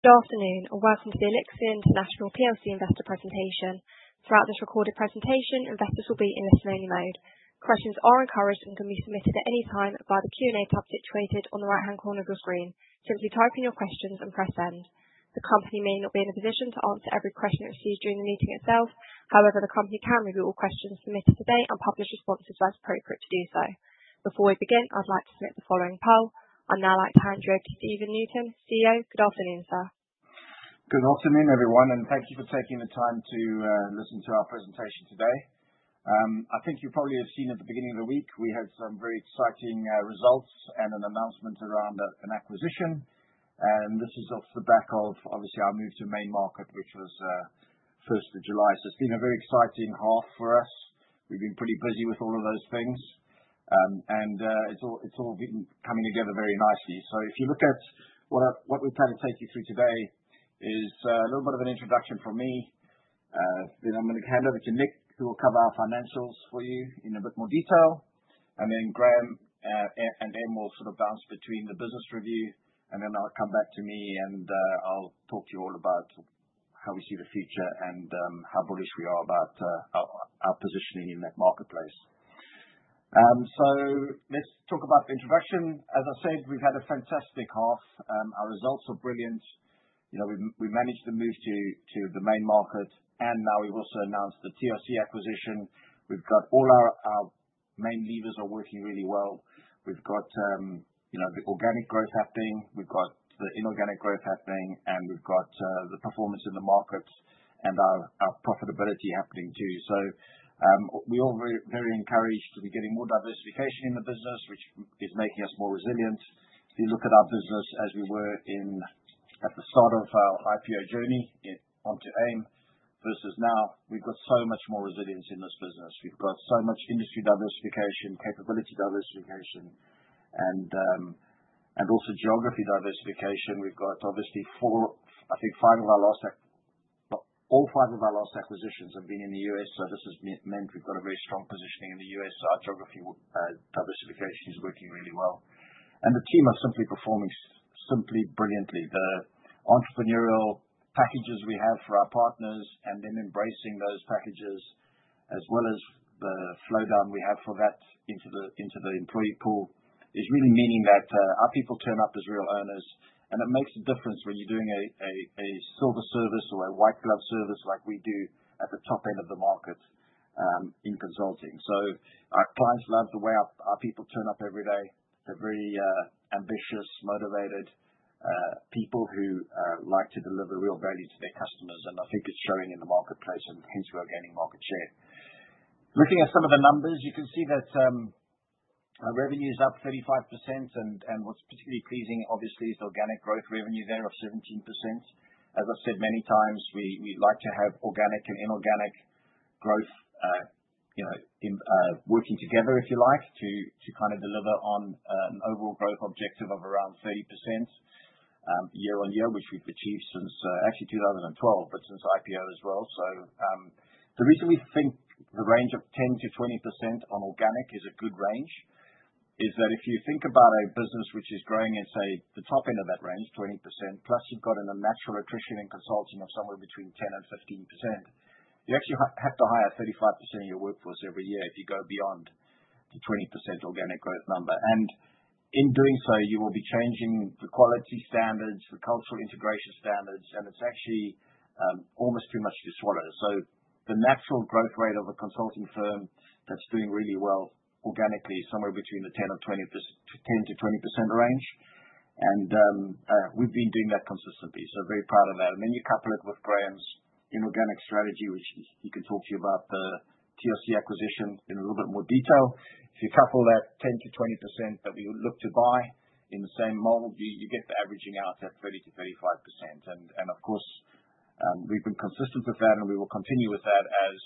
Good afternoon, and welcome to the Elixirr International plc Investor Presentation. Throughout this recorded presentation, investors will be in listen-only mode. Questions are encouraged and can be submitted at any time via the Q&A tab situated on the right-hand corner of your screen. Simply type in your questions and press send. The company may not be in a position to answer every question it receives during the meeting itself; however, the company can review all questions submitted today and publish responses as appropriate to do so. Before we begin, I'd like to submit the following poll. I'd now like to hand you over to Stephen Newton, CEO. Good afternoon, sir. Good afternoon, everyone, and thank you for taking the time to listen to our presentation today. I think you probably have seen at the beginning of the week we had some very exciting results and an announcement around an acquisition, and this is off the back of, obviously, our move to the main market, which was first of July. So it's been a very exciting half for us. We've been pretty busy with all of those things, and it's all been coming together very nicely. So if you look at what we plan to take you through today is a little bit of an introduction from me. Then I'm going to hand over to Nick, who will cover our financials for you in a bit more detail, and then Graham and Em will sort of bounce between the business review, and then they'll come back to me and I'll talk to you all about how we see the future and how bullish we are about our positioning in that marketplace. So let's talk about the introduction. As I said, we've had a fantastic half. Our results are brilliant. We managed the move to the main market, and now we've also announced the TRC acquisition. We've got all our main levers working really well. We've got the organic growth happening. We've got the inorganic growth happening, and we've got the performance in the markets and our profitability happening too. So we are very encouraged to be getting more diversification in the business, which is making us more resilient. If you look at our business as we were at the start of our IPO journey onto AIM versus now, we've got so much more resilience in this business. We've got so much industry diversification, capability diversification, and also geography diversification. We've got, obviously, I think five of our last—all five of our last acquisitions have been in the U.S., so this has meant we've got a very strong positioning in the U.S. So our geography diversification is working really well, and the team are simply performing brilliantly. The entrepreneurial packages we have for our partners and then embracing those packages, as well as the flow down we have for that into the employee pool, is really meaning that our people turn up as real earners, and it makes a difference when you're doing a silver service or a white glove service like we do at the top end of the market in consulting. So our clients love the way our people turn up every day. They're very ambitious, motivated people who like to deliver real value to their customers, and I think it's showing in the marketplace, and hence we're gaining market share. Looking at some of the numbers, you can see that our revenue is up 35%, and what's particularly pleasing, obviously, is the organic growth revenue there of 17%. As I've said many times, we like to have organic and inorganic growth working together, if you like, to kind of deliver on an overall growth objective of around 30% year on year, which we've achieved since actually 2012, but since IPO as well, so the reason we think the range of 10%-20% on organic is a good range is that if you think about a business which is growing at, say, the top end of that range, 20%, plus you've got an unnatural attrition in consulting of somewhere between 10% and 15%, you actually have to hire 35% of your workforce every year if you go beyond the 20% organic growth number, and in doing so, you will be changing the quality standards, the cultural integration standards, and it's actually almost too much to swallow. So the natural growth rate of a consulting firm that's doing really well organically is somewhere between 10%-20%, and we've been doing that consistently, so very proud of that. And then you couple it with Graham's inorganic strategy, which he can talk to you about the TRC acquisition in a little bit more detail. If you couple that 10%-20% that we would look to buy in the same mold, you get the averaging out at 30%-35%. And of course, we've been consistent with that, and we will continue with that as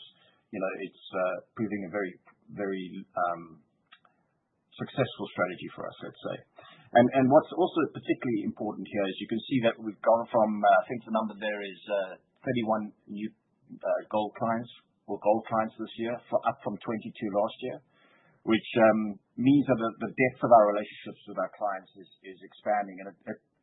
it's proving a very successful strategy for us, let's say. What's also particularly important here is you can see that we've gone from, I think, the number there is 31 new gold clients or gold clients this year, up from 22 last year, which means that the depth of our relationships with our clients is expanding.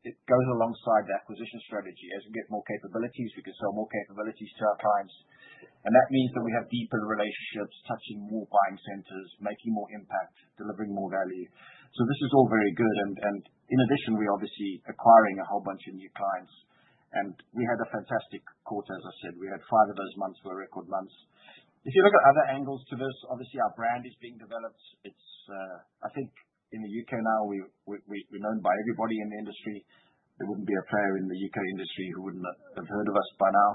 It goes alongside the acquisition strategy. As we get more capabilities, we can sell more capabilities to our clients, and that means that we have deeper relationships, touching more buying centers, making more impact, delivering more value. This is all very good, and in addition, we're obviously acquiring a whole bunch of new clients, and we had a fantastic quarter, as I said. We had five of those months that were record months. If you look at other angles to this, obviously, our brand is being developed. I think in the U.K. now, we're known by everybody in the industry. There wouldn't be a player in the U.K. industry who wouldn't have heard of us by now.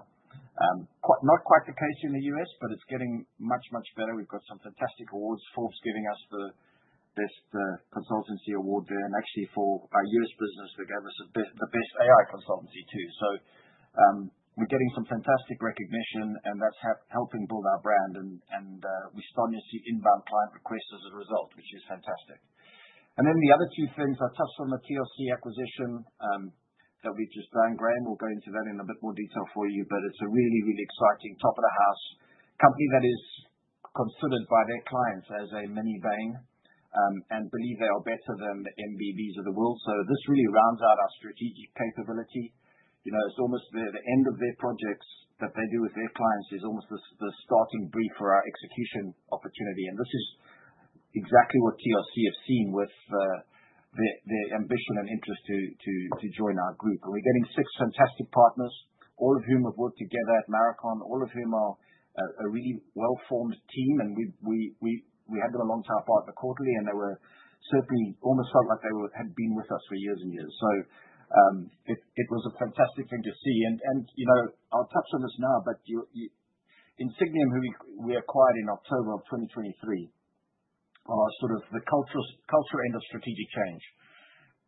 Not quite the case in the U.S., but it's getting much, much better. We've got some fantastic awards. Forbes is giving us the best consultancy award there, and actually for our U.S. business, they gave us the best AI consultancy too, so we're getting some fantastic recognition, and that's helping build our brand, and we started to see inbound client requests as a result, which is fantastic, and then the other two things, I touched on the TRC acquisition that we've just done. Graham will go into that in a bit more detail for you, but it's a really, really exciting top of the house company that is considered by their clients as a mini Bain, and believe they are better than the MBBs of the world. So this really rounds out our strategic capability. It's almost the end of their projects that they do with their clients is almost the starting brief for our execution opportunity, and this is exactly what TRC have seen with their ambition and interest to join our group. And we're getting six fantastic partners, all of whom have worked together at Marathon, all of whom are a really well-formed team, and we had them alongside our partner quarterly, and they certainly almost felt like they had been with us for years and years. So it was a fantastic thing to see. And I'll touch on this now, but Insigniam, who we acquired in October of 2023, are sort of the culture end of strategic change,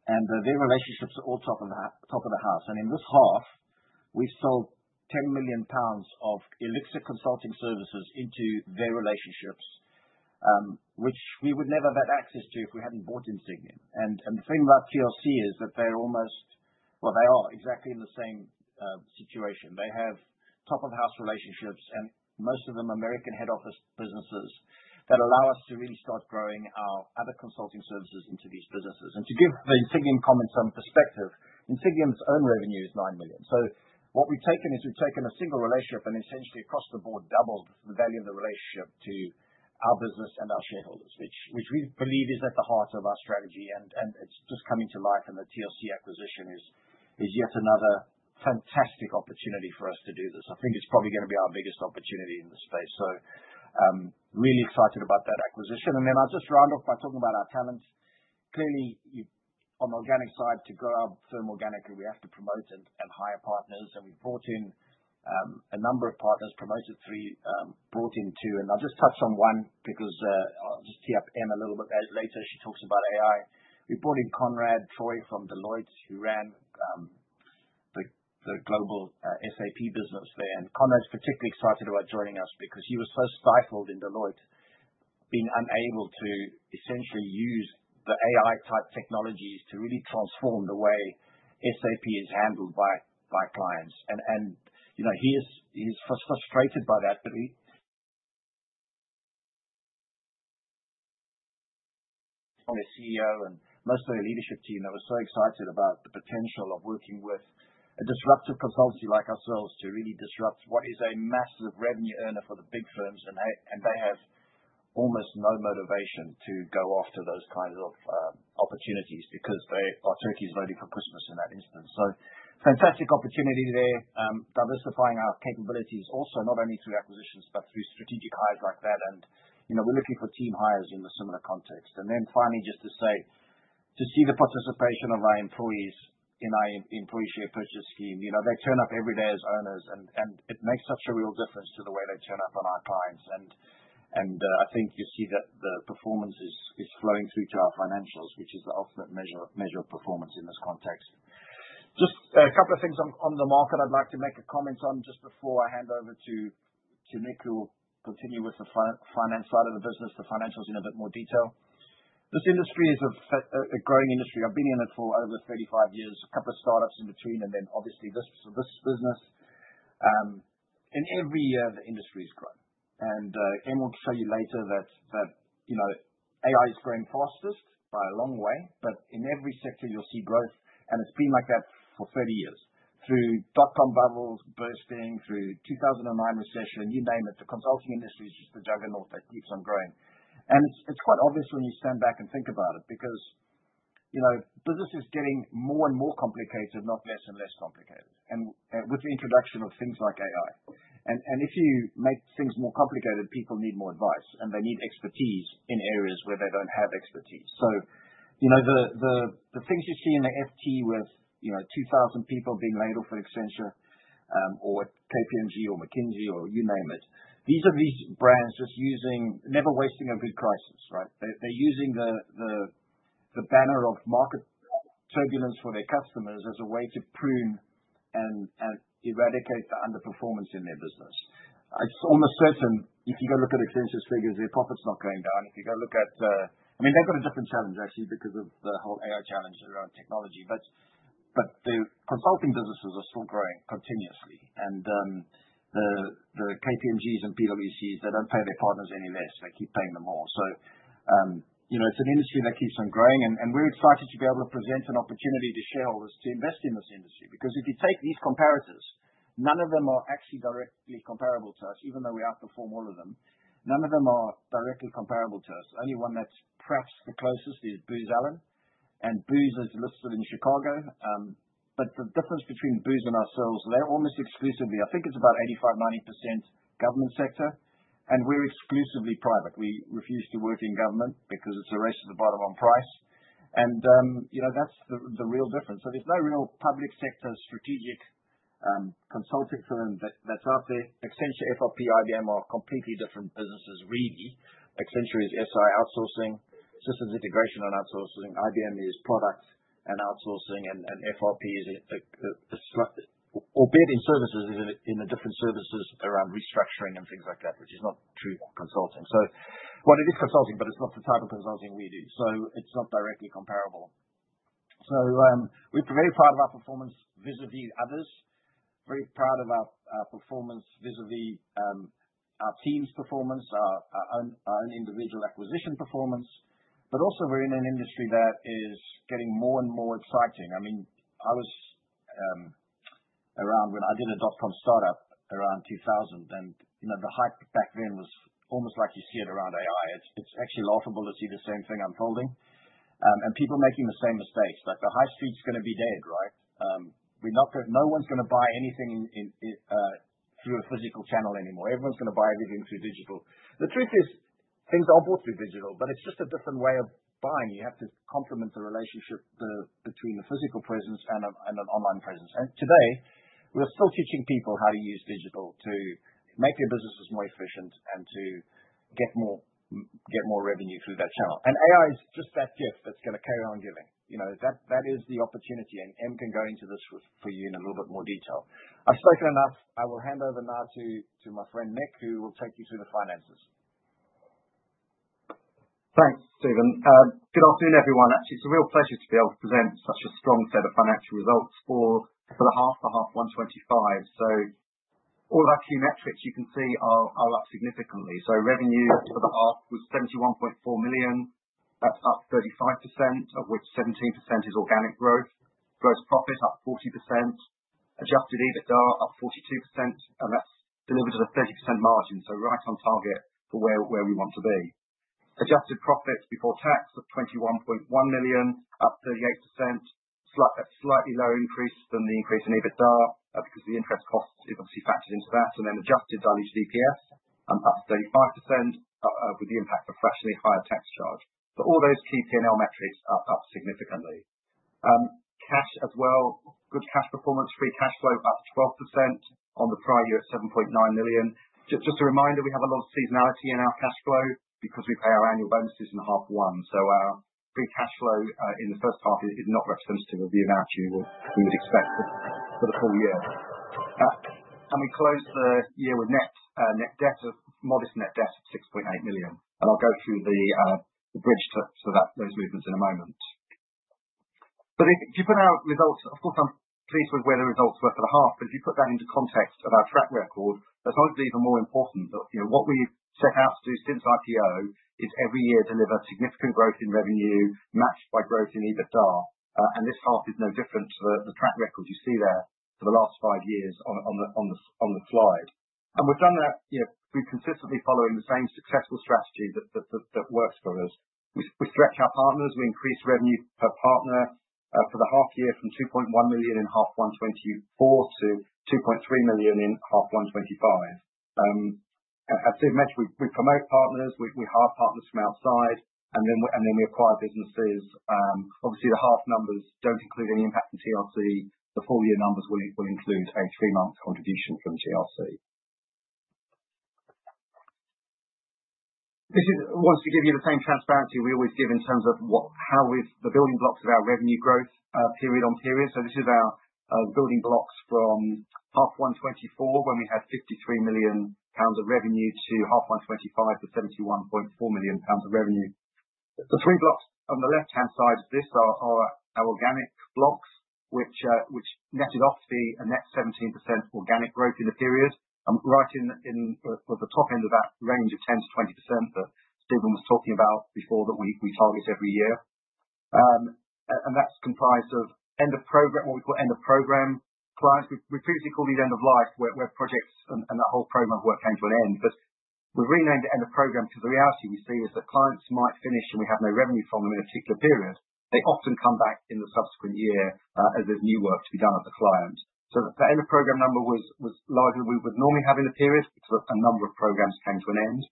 and their relationships are all top of the house. In this half, we've sold 10 million pounds of Elixirr consulting services into their relationships, which we would never have had access to if we hadn't bought Insigniam. The thing about TRC is that they're almost, well, they are exactly in the same situation. They have top-of-the-house relationships, and most of them are American head office businesses that allow us to really start growing our other consulting services into these businesses. To give the Insigniam comment some perspective, Insigniam's own revenue is 9 million. What we've taken is we've taken a single relationship and essentially across the board doubled the value of the relationship to our business and our shareholders, which we believe is at the heart of our strategy, and it's just coming to life, and the TRC acquisition is yet another fantastic opportunity for us to do this. I think it's probably going to be our biggest opportunity in this space, so really excited about that acquisition, and then I'll just round off by talking about our talents. Clearly, on the organic side, to grow our firm organically, we have to promote and hire partners, and we've brought in a number of partners, promoted three, brought in two, and I'll just touch on one because I'll just tee up Em a little bit later. She talks about AI. We brought in Conrad Troy from Deloitte, who ran the global SAP business there, and Conrad's particularly excited about joining us because he was so stifled in Deloitte being unable to essentially use the AI-type technologies to really transform the way SAP is handled by clients. He's frustrated by that, but he, the CEO and most of the leadership team that were so excited about the potential of working with a disruptive consultancy like ourselves to really disrupt what is a massive revenue earner for the big firms, and they have almost no motivation to go after those kinds of opportunities because our turkey's ready for Christmas in that instance. Fantastic opportunity there, diversifying our capabilities also not only through acquisitions but through strategic hires like that, and we're looking for team hires in the similar context. Finally, just to say, to see the participation of our employees in our employee share purchase scheme. They turn up every day as owners, and it makes such a real difference to the way they turn up on our clients. I think you see that the performance is flowing through to our financials, which is the ultimate measure of performance in this context. Just a couple of things on the market I'd like to make a comment on just before I hand over to Nick, who will continue with the finance side of the business, the financials in a bit more detail. This industry is a growing industry. I've been in it for over 35 years, a couple of startups in between, and then obviously this business. In every year, the industry has grown, and Em will show you later that AI is growing fastest by a long way, but in every sector, you'll see growth, and it's been like that for 30 years. Through dot-com bubbles bursting, through the 2009 recession, you name it, the consulting industry is just the juggernaut that keeps on growing. It's quite obvious when you stand back and think about it because business is getting more and more complicated, not less and less complicated, with the introduction of things like AI. If you make things more complicated, people need more advice, and they need expertise in areas where they don't have expertise. The things you see in the FT with 2,000 people being labeled for Accenture or KPMG or McKinsey or you name it, these are these brands just using, never wasting a good crisis, right? They're using the banner of market turbulence for their customers as a way to prune and eradicate the underperformance in their business. It's almost certain, if you go look at Accenture's figures, their profit's not going down. If you go look at, I mean, they've got a different challenge actually because of the whole AI challenge around technology, but the consulting businesses are still growing continuously, and the KPMGs and PwCs, they don't pay their partners any less. They keep paying them more. So it's an industry that keeps on growing, and we're excited to be able to present an opportunity to shareholders to invest in this industry because if you take these comparators, none of them are actually directly comparable to us, even though we outperform all of them. None of them are directly comparable to us. The only one that's perhaps the closest is Booz Allen, and Booz is listed in Chicago, but the difference between Booz and ourselves, they're almost exclusively. I think it's about 85%-90% government sector, and we're exclusively private. We refuse to work in government because it's a race to the bottom on price, and that's the real difference. So there's no real public sector strategic consulting firm that's out there. Accenture, FRP, IBM are completely different businesses, really. Accenture is SI outsourcing, systems integration and outsourcing. IBM is product and outsourcing, and FRP is a—or Baird in services is in the different services around restructuring and things like that, which is not true consulting. So well, it is consulting, but it's not the type of consulting we do, so it's not directly comparable. So we're very proud of our performance vis-à-vis others, very proud of our performance vis-à-vis our team's performance, our own individual acquisition performance, but also we're in an industry that is getting more and more exciting. I mean, I was around when I did a dot-com startup around 2000, and the hype back then was almost like you see it around AI. It's actually laughable to see the same thing unfolding, and people making the same mistakes. The high street's going to be dead, right? No one's going to buy anything through a physical channel anymore. Everyone's going to buy everything through digital. The truth is, things are bought through digital, but it's just a different way of buying. You have to complement the relationship between the physical presence and an online presence. And today, we're still teaching people how to use digital to make their businesses more efficient and to get more revenue through that channel. And AI is just that gift that's going to carry on giving. That is the opportunity, and Em can go into this for you in a little bit more detail. I've spoken enough. I will hand over now to my friend Nick, who will take you through the finances. Thanks, Stephen. Good afternoon, everyone. Actually, it's a real pleasure to be able to present such a strong set of financial results for the half, H1 2025. So all of our key metrics you can see are up significantly. So revenue for the half was 71.4 million. That's up 35%, of which 17% is organic growth. Gross profit up 40%. Adjusted EBITDA up 42%, and that's delivered at a 30% margin, so right on target for where we want to be. Adjusted profit before tax of 21.1 million, up 38%. That's a slightly lower increase than the increase in EBITDA because the interest cost is obviously factored into that. And then adjusted diluted EPS, up 35% with the impact of a fractionally higher tax charge. So all those key P&L metrics are up significantly. Cash as well, good cash performance, free cash flow up 12% on the prior-year at 7.9 million. Just a reminder, we have a lot of seasonality in our cash flow because we pay our annual bonuses in half one. So our free cash flow in the first half is not representative of the amount we would expect for the full year. And we closed the year with net debt of modest net debt of 6.8 million. And I'll go through the bridge to those movements in a moment. But if you put our results. Of course, I'm pleased with where the results were for the half, but if you put that into context of our track record, that's obviously even more important. What we've set out to do since IPO is every year deliver significant growth in revenue matched by growth in EBITDA, and this half is no different to the track record you see there for the last five years on the slide, and we've done that. We've consistently followed the same successful strategy that works for us. We stretch our partners. We increase revenue per partner for the half year from 2.1 million in half 2024 to 2.3 million in half 2025. As Steve mentioned, we promote partners. We hire partners from outside, and then we acquire businesses. Obviously, the half numbers don't include any impact on TRC. The full year numbers will include a three-month contribution from TRC. This is to give you the same transparency we always give in terms of how we've built the building blocks of our revenue growth period-on-period. This is our building blocks from half 2024, when we had 53 million pounds of revenue, to half 2025 for 71.4 million pounds of revenue. The three blocks on the left-hand side of this are our organic blocks, which netted off the net 17% organic growth in the period, right in the top end of that range of 10%-20% that Stephen was talking about before that we target every year. That's comprised of end of program, what we call end of program clients. We previously called these end of life, where projects and that whole program of work came to an end, but we've renamed it end of program because the reality we see is that clients might finish, and we have no revenue from them in a particular period. They often come back in the subsequent year as there's new work to be done at the client, so the end of program number was larger than we would normally have in a period because a number of programs came to an end,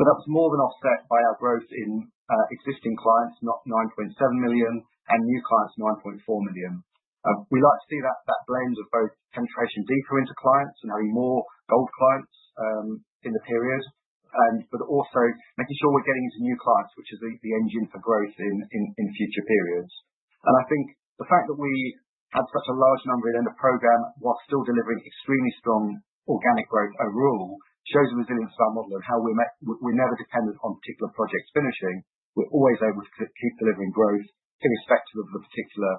but that was more than offset by our growth in existing clients of 9.7 million, and new clients, 9.4 million. We like to see that blend of both penetration deeper into clients and having more old clients in the period, but also making sure we're getting into new clients, which is the engine for growth in future periods, and I think the fact that we had such a large number in end of program while still delivering extremely strong organic growth overall shows the resilience of our model and how we're never dependent on particular projects finishing. We're always able to keep delivering growth irrespective of the particular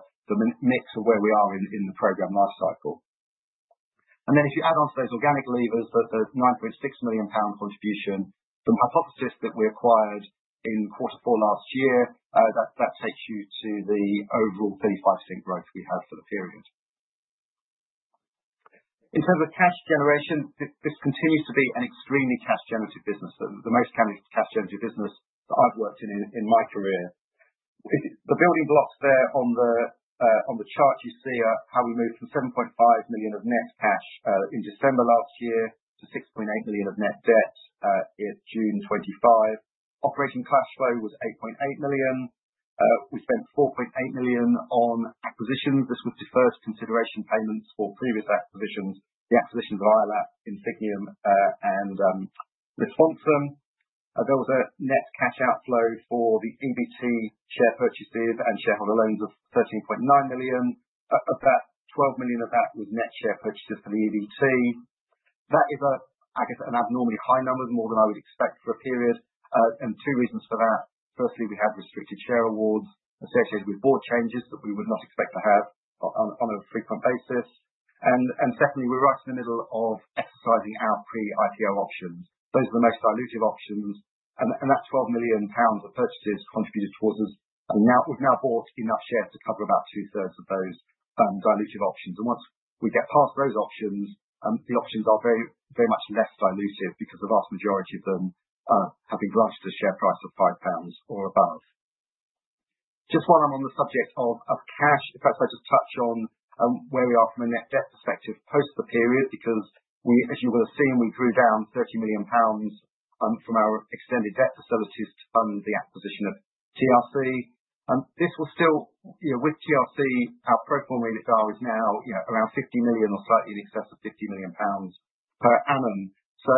mix of where we are in the program lifecycle, and then if you add on to those organic levers, the 9.6 million pound contribution from Hypothesis that we acquired in quarter four last year, that takes you to the overall 35% growth we had for the period. In terms of cash generation, this continues to be an extremely cash-generative business, the most cash-generative business that I've worked in in my career. The building blocks there on the chart you see are how we moved from 7.5 million of net cash in December last year to 6.8 million of net debt in June 2025. Operating cash flow was 8.8 million. We spent 4.8 million on acquisitions. This was deferred consideration payments for previous acquisitions, the acquisitions of iOLAP, Insigniam, and Retransform. There was a net cash outflow for the EBT share purchases and shareholder loans of 13.9 million. Of that, 12 million of that was net share purchases for the EBT. That is, I guess, an abnormally high number, more than I would expect for a period, and two reasons for that. Firstly, we had restricted share awards associated with board changes that we would not expect to have on a frequent basis, and secondly, we're right in the middle of exercising our pre-IPO options. Those are the most dilutive options, and that 12 million pounds of purchases contributed towards us. We've now bought enough shares to cover about two-thirds of those dilutive options, and once we get past those options, the options are very much less dilutive because the vast majority of them have been benchmarked to share price of 5 million pounds or above. Just while I'm on the subject of cash, perhaps I just touch on where we are from a net debt perspective post the period because, as you will have seen, we drew down 30 million pounds from our extended debt facilities to fund the acquisition of TRC. This will still, with TRC, our pro forma is now around 50 million or slightly in excess of 50 million pounds per annum. So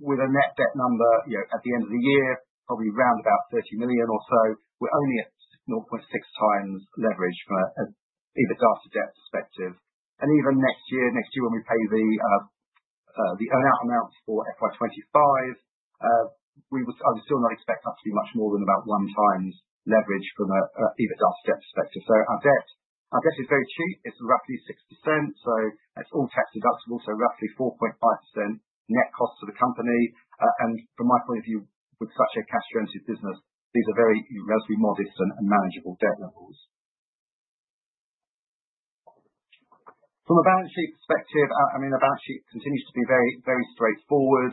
with a net debt number at the end of the year, probably around about 30 million or so, we're only at 0.6x leverage from an EBITDA to debt perspective. And even next year, next year when we pay the earn-out amount for FY 2025, I would still not expect that to be much more than about one times leverage from an EBITDA to debt perspective. So our debt is very cheap. It's roughly 6%. So it's all tax-deductible, so roughly 4.5% net cost to the company. And from my point of view, with such a cash-generative business, these are relatively modest and manageable debt levels. From a balance sheet perspective, I mean, the balance sheet continues to be very straightforward.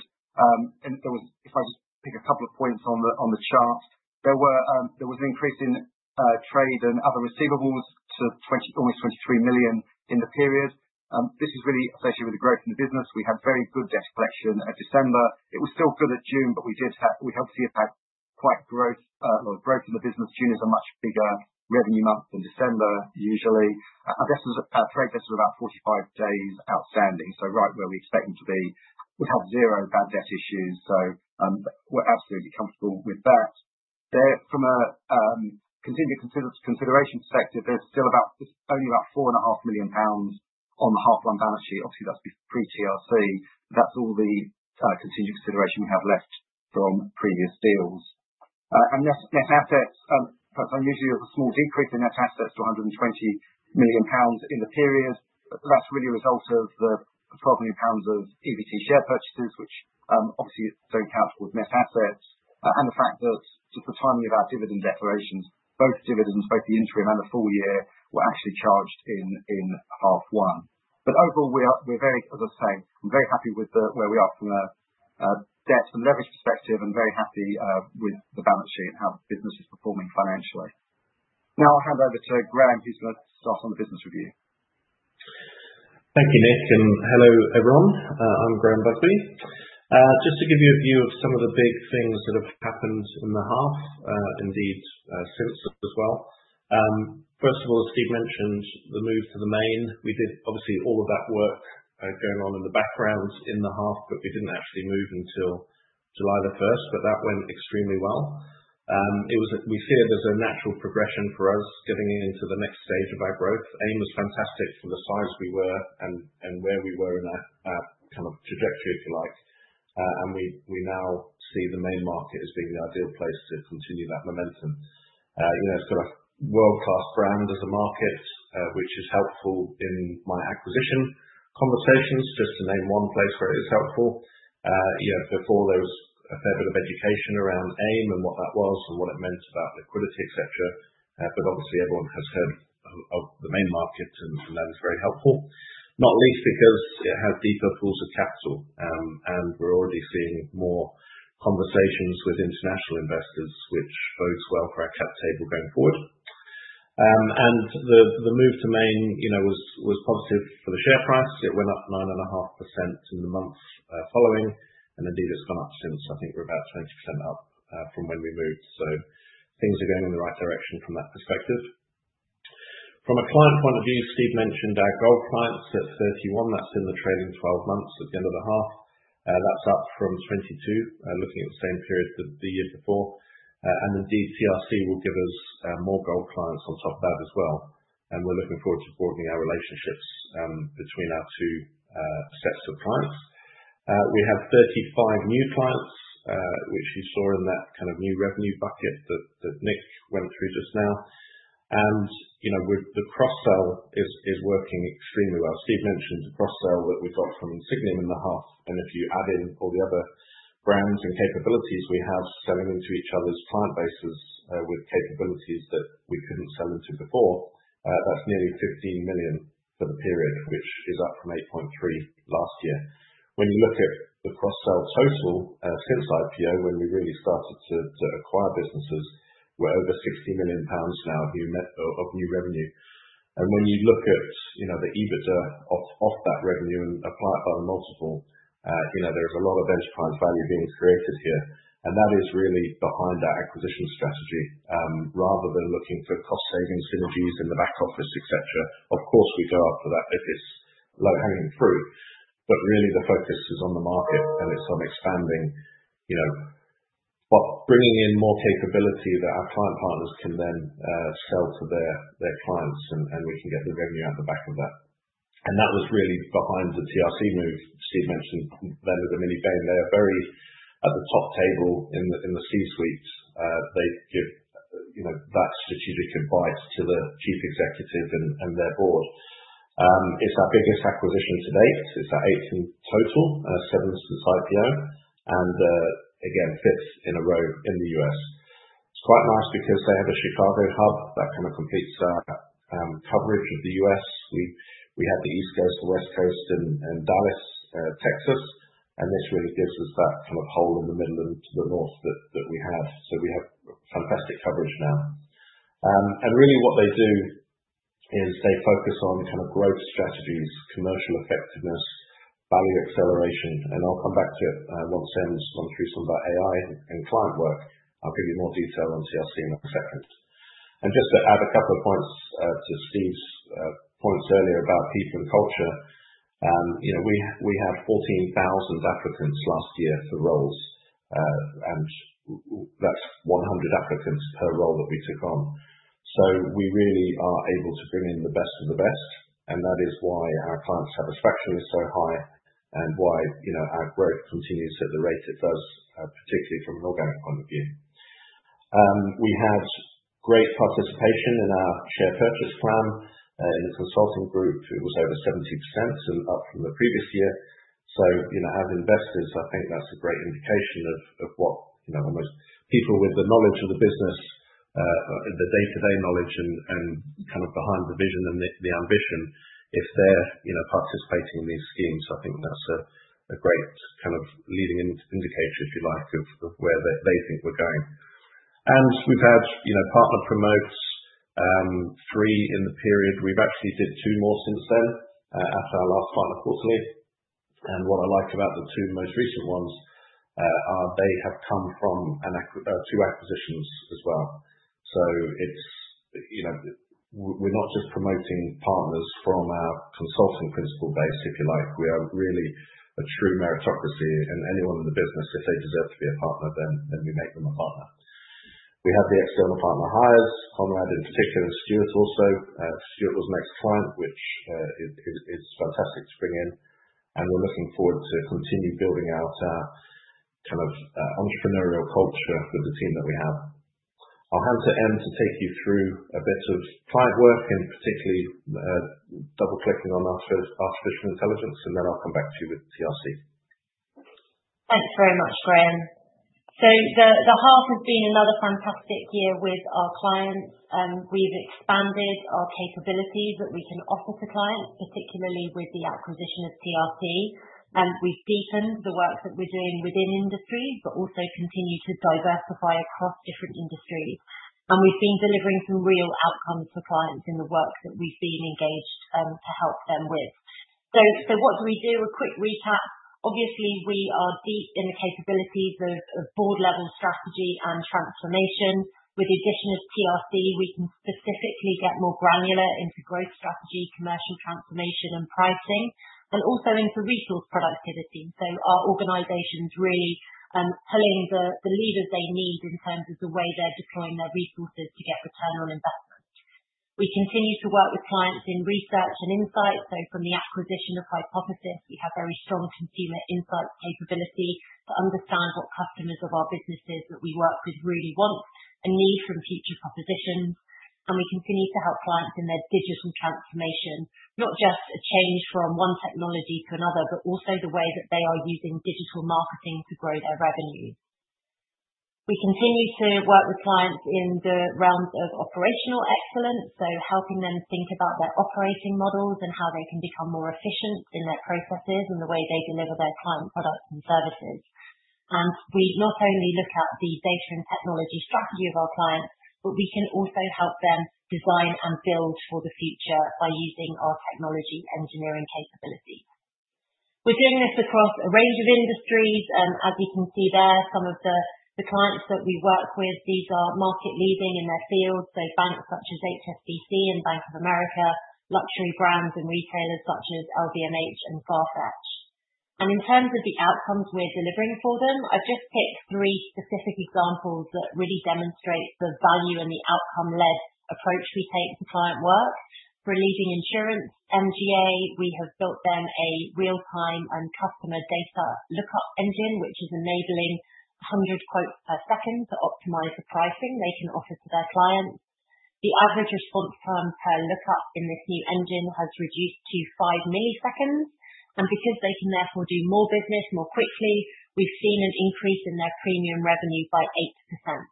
If I just pick a couple of points on the chart, there was an increase in trade and other receivables to almost 23 million in the period. This is really associated with the growth in the business. We had very good debt collection at December. It was still good at June, but we helped see if we had quite a lot of growth in the business. June is a much bigger revenue month than December usually. Our trade debts are about 45 days outstanding, so right where we expect them to be. We've had zero bad debt issues, so we're absolutely comfortable with that. From a contingent consideration perspective, there's still only about 4.5 million pounds on the half one balance sheet. Obviously, that's pre-TRC. That's all the contingent consideration we have left from previous deals. Net assets, perhaps unusually, there's a small decrease in net assets to 120 million pounds in the period. That's really a result of the 12 million pounds of EBT share purchases, which obviously don't count towards net assets, and the fact that just the timing of our dividend declarations, both dividends, both the interim and the full year, were actually charged in half one. Overall, as I was saying, I'm very happy with where we are from a debt and leverage perspective and very happy with the balance sheet and how the business is performing financially. Now I'll hand over to Graham, who's going to start on the business review. Thank you, Nick, and hello, everyone. I'm Graham Busby. Just to give you a view of some of the big things that have happened in the half, indeed since as well. First of all, as Steve mentioned, the move to the main. We did obviously all of that work going on in the background in the half, but we didn't actually move until July the 1st, but that went extremely well. We see it as a natural progression for us getting into the next stage of our growth. AIM was fantastic for the size we were and where we were in our kind of trajectory, if you like, and we now see the main market as being the ideal place to continue that momentum. It's got a world-class brand as a market, which is helpful in my acquisition conversations, just to name one place where it is helpful. Before, there was a fair bit of education around AIM and what that was and what it meant about liquidity, etc., but obviously, everyone has heard of the main market, and that is very helpful, not least because it has deeper pools of capital, and we're already seeing more conversations with international investors, which bodes well for our cap table going forward, and the move to main was positive for the share price. It went up 9.5% in the month following, and indeed, it's gone up since. I think we're about 20% up from when we moved, so things are going in the right direction from that perspective. From a client point of view, Steve mentioned our gold clients at 31. That's in the trailing 12 months at the end of the half. That's up from 22, looking at the same period the year before. And indeed, TRC will give us more gold clients on top of that as well. And we're looking forward to broadening our relationships between our two sets of clients. We have 35 new clients, which you saw in that kind of new revenue bucket that Nick went through just now. And the cross-sell is working extremely well. Steve mentioned the cross-sell that we got from Insigniam in the half. And if you add in all the other brands and capabilities we have selling into each other's client bases with capabilities that we couldn't sell into before, that's nearly 15 million for the period, which is up from 8.3 million last year. When you look at the cross-sell total since IPO, when we really started to acquire businesses, we're over 60 million pounds now of new revenue. When you look at the EBITDA off that revenue and apply it by the multiple, there is a lot of enterprise value being created here. That is really behind our acquisition strategy, rather than looking for cost saving synergies in the back office, etc. Of course, we go after that if it's low hanging fruit, but really the focus is on the market and it's on expanding, bringing in more capability that our client partners can then sell to their clients and we can get the revenue out the back of that. That was really behind the TRC move. Steve mentioned them as a mini Bain. They are very at the top table in the C-suite. They give that strategic advice to the Chief Executive and their board. It's our biggest acquisition to date. It's our eighth in total, seventh since IPO, and again, fifth in a row in the U.S. It's quite nice because they have a Chicago hub that kind of completes our coverage of the U.S. We had the East Coast, the West Coast, and Dallas, Texas. And this really gives us that kind of hole in the middle and to the north that we had. So we have fantastic coverage now. And really what they do is they focus on kind of growth strategies, commercial effectiveness, value acceleration. And I'll come back to it once I'm through some of our AI and client work. I'll give you more detail on TRC in a second. And just to add a couple of points to Steve's points earlier about people and culture, we had 14,000 applicants last year for roles, and that's 100 applicants per role that we took on. So we really are able to bring in the best of the best, and that is why our client satisfaction is so high and why our growth continues at the rate it does, particularly from an organic point of view. We had great participation in our share purchase plan. In the consulting group, it was over 70% and up from the previous year. So as investors, I think that's a great indication of what almost people with the knowledge of the business, the day-to-day knowledge and kind of behind the vision and the ambition, if they're participating in these schemes, I think that's a great kind of leading indicator, if you like, of where they think we're going. And we've had partner promotes three in the period. We've actually did two more since then after our last final quarterly. What I like about the two most recent ones are they have come from two acquisitions as well. So we're not just promoting partners from our consulting principal base, if you like. We are really a true meritocracy, and anyone in the business, if they deserve to be a partner, then we make them a partner. We had the external partner hires, Conrad in particular, Stuart also. Stuart was an ex-client, which is fantastic to bring in. We're looking forward to continue building out our kind of entrepreneurial culture with the team that we have. I'll hand to Em to take you through a bit of client work and particularly double-clicking on artificial intelligence, and then I'll come back to you with TRC. Thanks very much, Graham. So the half has been another fantastic year with our clients. We've expanded our capabilities that we can offer to clients, particularly with the acquisition of TRC. We've deepened the work that we're doing within industries, but also continue to diversify across different industries. And we've been delivering some real outcomes for clients in the work that we've been engaged to help them with. So what do we do? A quick recap. Obviously, we are deep in the capabilities of board-level strategy and transformation. With the addition of TRC, we can specifically get more granular into growth strategy, commercial transformation, and pricing, and also into resource productivity. So our organization's really pulling the levers they need in terms of the way they're deploying their resources to get return on investment. We continue to work with clients in research and insight. So from the acquisition of Hypothesis, we have very strong consumer insights capability to understand what customers of our businesses that we work with really want and need from future propositions. And we continue to help clients in their digital transformation, not just a change from one technology to another, but also the way that they are using digital marketing to grow their revenues. We continue to work with clients in the realms of operational excellence, so helping them think about their operating models and how they can become more efficient in their processes and the way they deliver their client products and services. And we not only look at the data and technology strategy of our clients, but we can also help them design and build for the future by using our technology engineering capabilities. We're doing this across a range of industries. As you can see there, some of the clients that we work with, these are market-leading in their field, so banks such as HSBC and Bank of America, luxury brands and retailers such as LVMH and FARFETCH. And in terms of the outcomes we're delivering for them, I've just picked three specific examples that really demonstrate the value and the outcome-led approach we take to client work. For leading insurance, MGA, we have built them a real-time and customer data lookup engine, which is enabling 100 quotes per second to optimize the pricing they can offer to their clients. The average response time per lookup in this new engine has reduced to five milliseconds. And because they can therefore do more business more quickly, we've seen an increase in their premium revenue by 8%.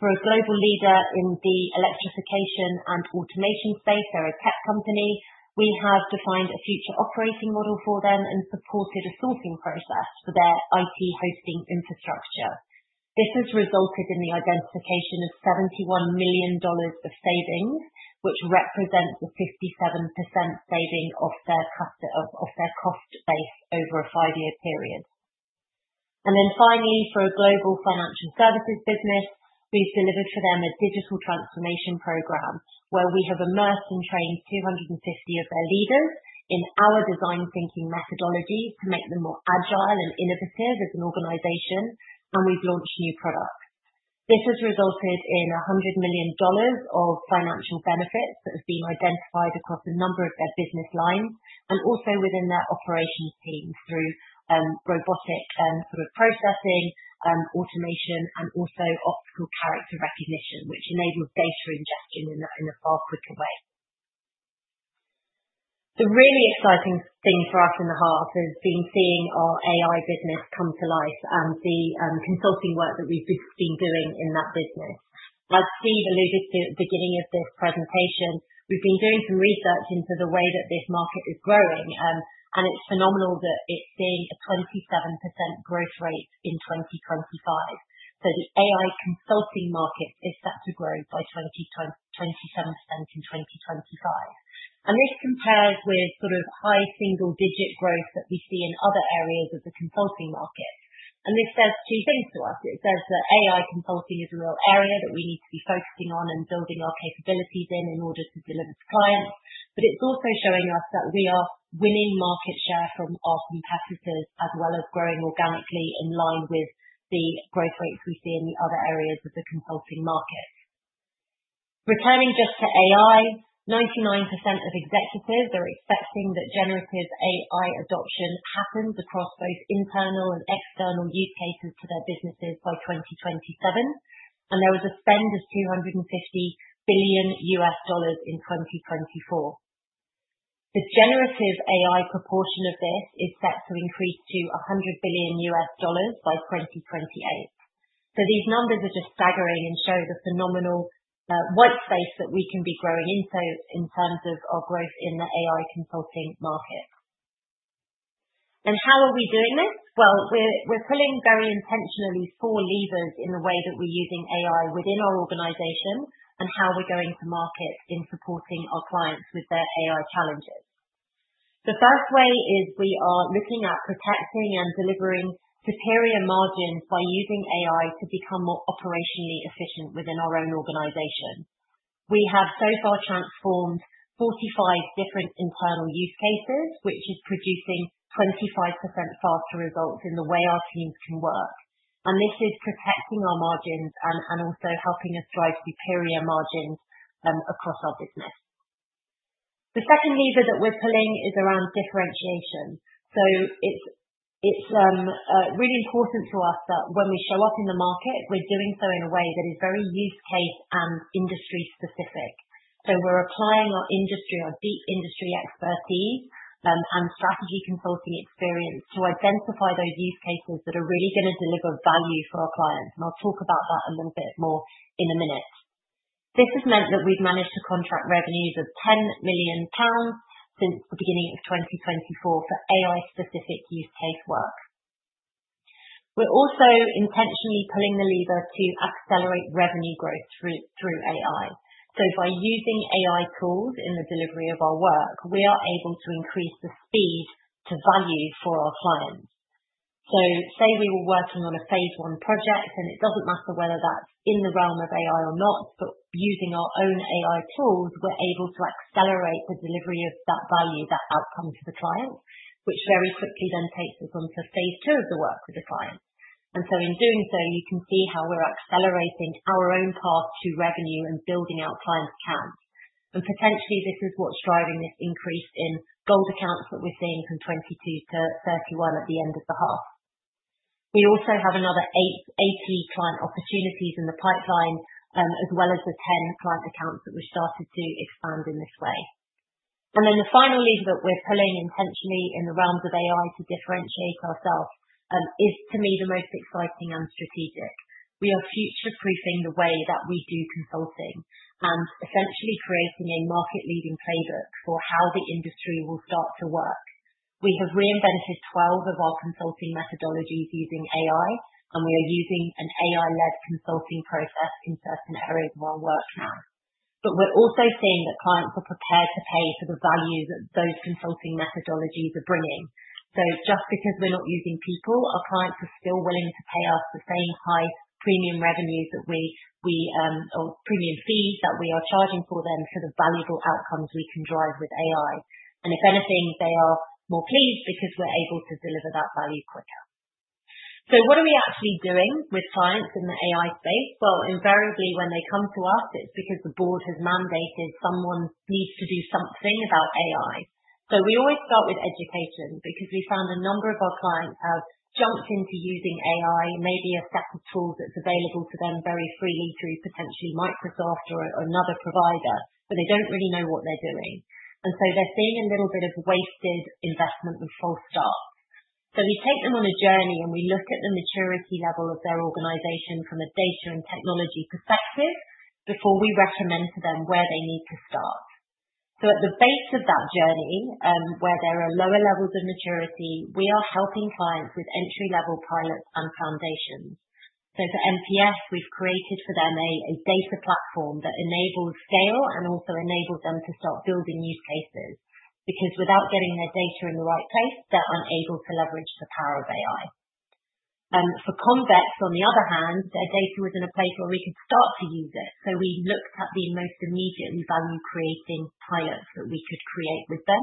For a global leader in the electrification and automation space, they're a tech company. We have defined a future operating model for them and supported a sourcing process for their IT hosting infrastructure. This has resulted in the identification of $71 million of savings, which represents a 57% saving of their cost base over a five-year period, and then finally, for a global financial services business, we've delivered for them a digital transformation program where we have immersed and trained 250 of their leaders in our design thinking methodologies to make them more agile and innovative as an organization, and we've launched new products. This has resulted in $100 million of financial benefits that have been identified across a number of their business lines and also within their operations teams through robotic sort of processing, automation, and also optical character recognition, which enables data ingestion in a far quicker way. The really exciting thing for us in the half has been seeing our AI business come to life and the consulting work that we've been doing in that business. As Steve alluded to at the beginning of this presentation, we've been doing some research into the way that this market is growing, and it's phenomenal that it's seeing a 27% growth rate in 2025. So the AI consulting market is set to grow by 27% in 2025. And this compares with sort of high single-digit growth that we see in other areas of the consulting market. And this says two things to us. It says that AI consulting is a real area that we need to be focusing on and building our capabilities in order to deliver to clients. But it's also showing us that we are winning market share from our competitors as well as growing organically in line with the growth rates we see in the other areas of the consulting market. Returning just to AI, 99% of executives are expecting that generative AI adoption happens across both internal and external use cases to their businesses by 2027. And there was a spend of $250 billion in 2024. The generative AI proportion of this is set to increase to $100 billion by 2028. So these numbers are just staggering and show the phenomenal white space that we can be growing into in terms of our growth in the AI consulting market. And how are we doing this? We're pulling very intentionally four levers in the way that we're using AI within our organization and how we're going to market in supporting our clients with their AI challenges. The first way is we are looking at protecting and delivering superior margins by using AI to become more operationally efficient within our own organization. We have so far transformed 45 different internal use cases, which is producing 25% faster results in the way our teams can work. This is protecting our margins and also helping us drive superior margins across our business. The second lever that we're pulling is around differentiation. It's really important to us that when we show up in the market, we're doing so in a way that is very use case and industry specific. We're applying our industry, our deep industry expertise and strategy consulting experience to identify those use cases that are really going to deliver value for our clients. And I'll talk about that a little bit more in a minute. This has meant that we've managed to contract revenues of 10 million pounds since the beginning of 2024 for AI-specific use case work. We're also intentionally pulling the lever to accelerate revenue growth through AI. By using AI tools in the delivery of our work, we are able to increase the speed to value for our clients. So say we were working on a phase one project, and it doesn't matter whether that's in the realm of AI or not, but using our own AI tools, we're able to accelerate the delivery of that value, that outcome to the client, which very quickly then takes us onto phase II of the work with the client. And so in doing so, you can see how we're accelerating our own path to revenue and building our client accounts. And potentially, this is what's driving this increase in gold accounts that we're seeing from 22 to 31 at the end of the half. We also have another 80 client opportunities in the pipeline, as well as the 10 client accounts that we've started to expand in this way. Then the final lever that we're pulling intentionally in the realms of AI to differentiate ourselves is, to me, the most exciting and strategic. We are future-proofing the way that we do consulting and essentially creating a market-leading playbook for how the industry will start to work. We have reinvented 12 of our consulting methodologies using AI, and we are using an AI-led consulting process in certain areas of our work now. But we're also seeing that clients are prepared to pay for the value that those consulting methodologies are bringing. So just because we're not using people, our clients are still willing to pay us the same high premium revenues that we or premium fees that we are charging for them, for the valuable outcomes we can drive with AI. And if anything, they are more pleased because we're able to deliver that value quicker. So what are we actually doing with clients in the AI space? Well, invariably, when they come to us, it's because the board has mandated someone needs to do something about AI. So we always start with education because we found a number of our clients have jumped into using AI, maybe a set of tools that's available to them very freely through potentially Microsoft or another provider, but they don't really know what they're doing. And so they're seeing a little bit of wasted investment and false starts. So we take them on a journey, and we look at the maturity level of their organization from a data and technology perspective before we recommend to them where they need to start. So at the base of that journey, where there are lower levels of maturity, we are helping clients with entry-level pilots and foundations. So for MPS, we've created for them a data platform that enables scale and also enables them to start building use cases because without getting their data in the right place, they're unable to leverage the power of AI. For Convex, on the other hand, their data was in a place where we could start to use it. So we looked at the most immediately value-creating pilots that we could create with them,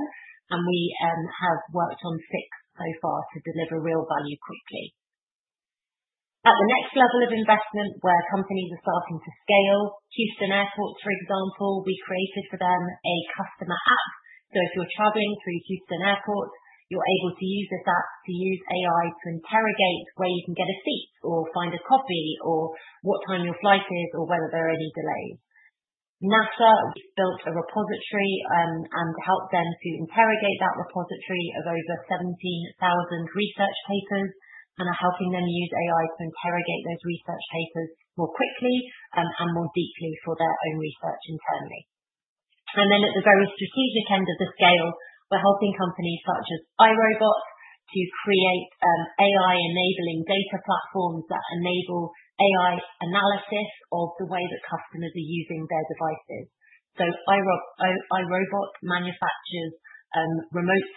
and we have worked on six so far to deliver real value quickly. At the next level of investment, where companies are starting to scale, Houston Airport, for example, we created for them a customer app. So if you're traveling through Houston Airport, you're able to use this app to use AI to interrogate where you can get a seat or find a coffee or what time your flight is or whether there are any delays. NASA built a repository and helped them to interrogate that repository of over 17,000 research papers and are helping them use AI to interrogate those research papers more quickly and more deeply for their own research internally, and then at the very strategic end of the scale, we're helping companies such as iRobot to create AI-enabling data platforms that enable AI analysis of the way that customers are using their devices, so iRobot manufactures remote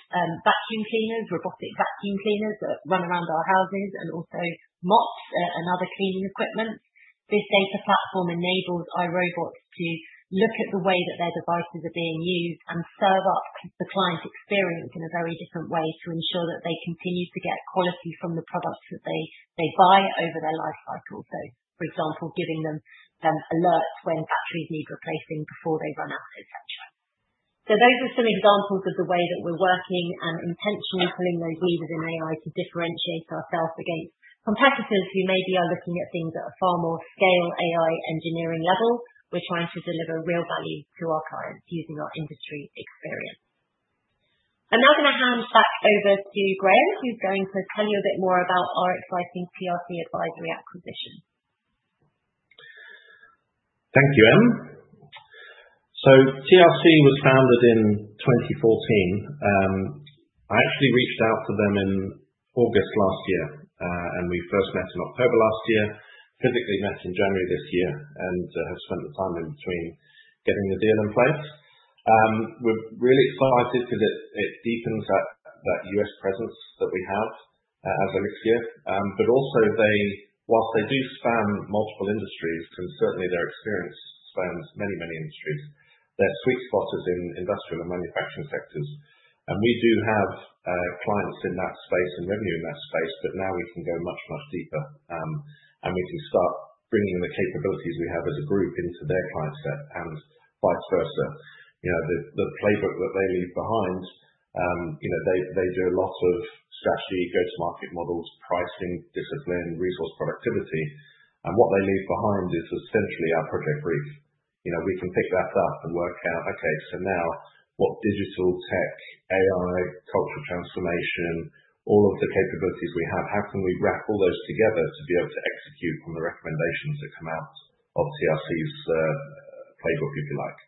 vacuum cleaners, robotic vacuum cleaners that run around our houses, and also mops and other cleaning equipment. This data platform enables iRobot to look at the way that their devices are being used and serve up the client experience in a very different way to ensure that they continue to get quality from the products that they buy over their life cycle. So, for example, giving them alerts when batteries need replacing before they run out, etc. So those are some examples of the way that we're working and intentionally pulling those levers in AI to differentiate ourselves against competitors who maybe are looking at things at a far more scale AI engineering level. We're trying to deliver real value to our clients using our industry experience. I'm now going to hand back over to Graham, who's going to tell you a bit more about our exciting TRC advisory acquisition. Thank you, Em. So TRC was founded in 2014. I actually reached out to them in August last year, and we first met in October last year, physically met in January this year, and have spent the time in between getting the deal in place. We're really excited because it deepens that U.S. presence that we have in a mixed year. but also, while they do span multiple industries, and certainly their experience spans many, many industries, their sweet spot is in industrial and manufacturing sectors. and we do have clients in that space and revenue in that space, but now we can go much, much deeper, and we can start bringing the capabilities we have as a group into their client set and vice versa. The playbook that they leave behind, they do a lot of strategy, go-to-market models, pricing, discipline, resource productivity. and what they leave behind is essentially our project brief. We can pick that up and work out, okay, so now what digital tech, AI, cultural transformation, all of the capabilities we have, how can we wrap all those together to be able to execute on the recommendations that come out of TRC's playbook, if you like.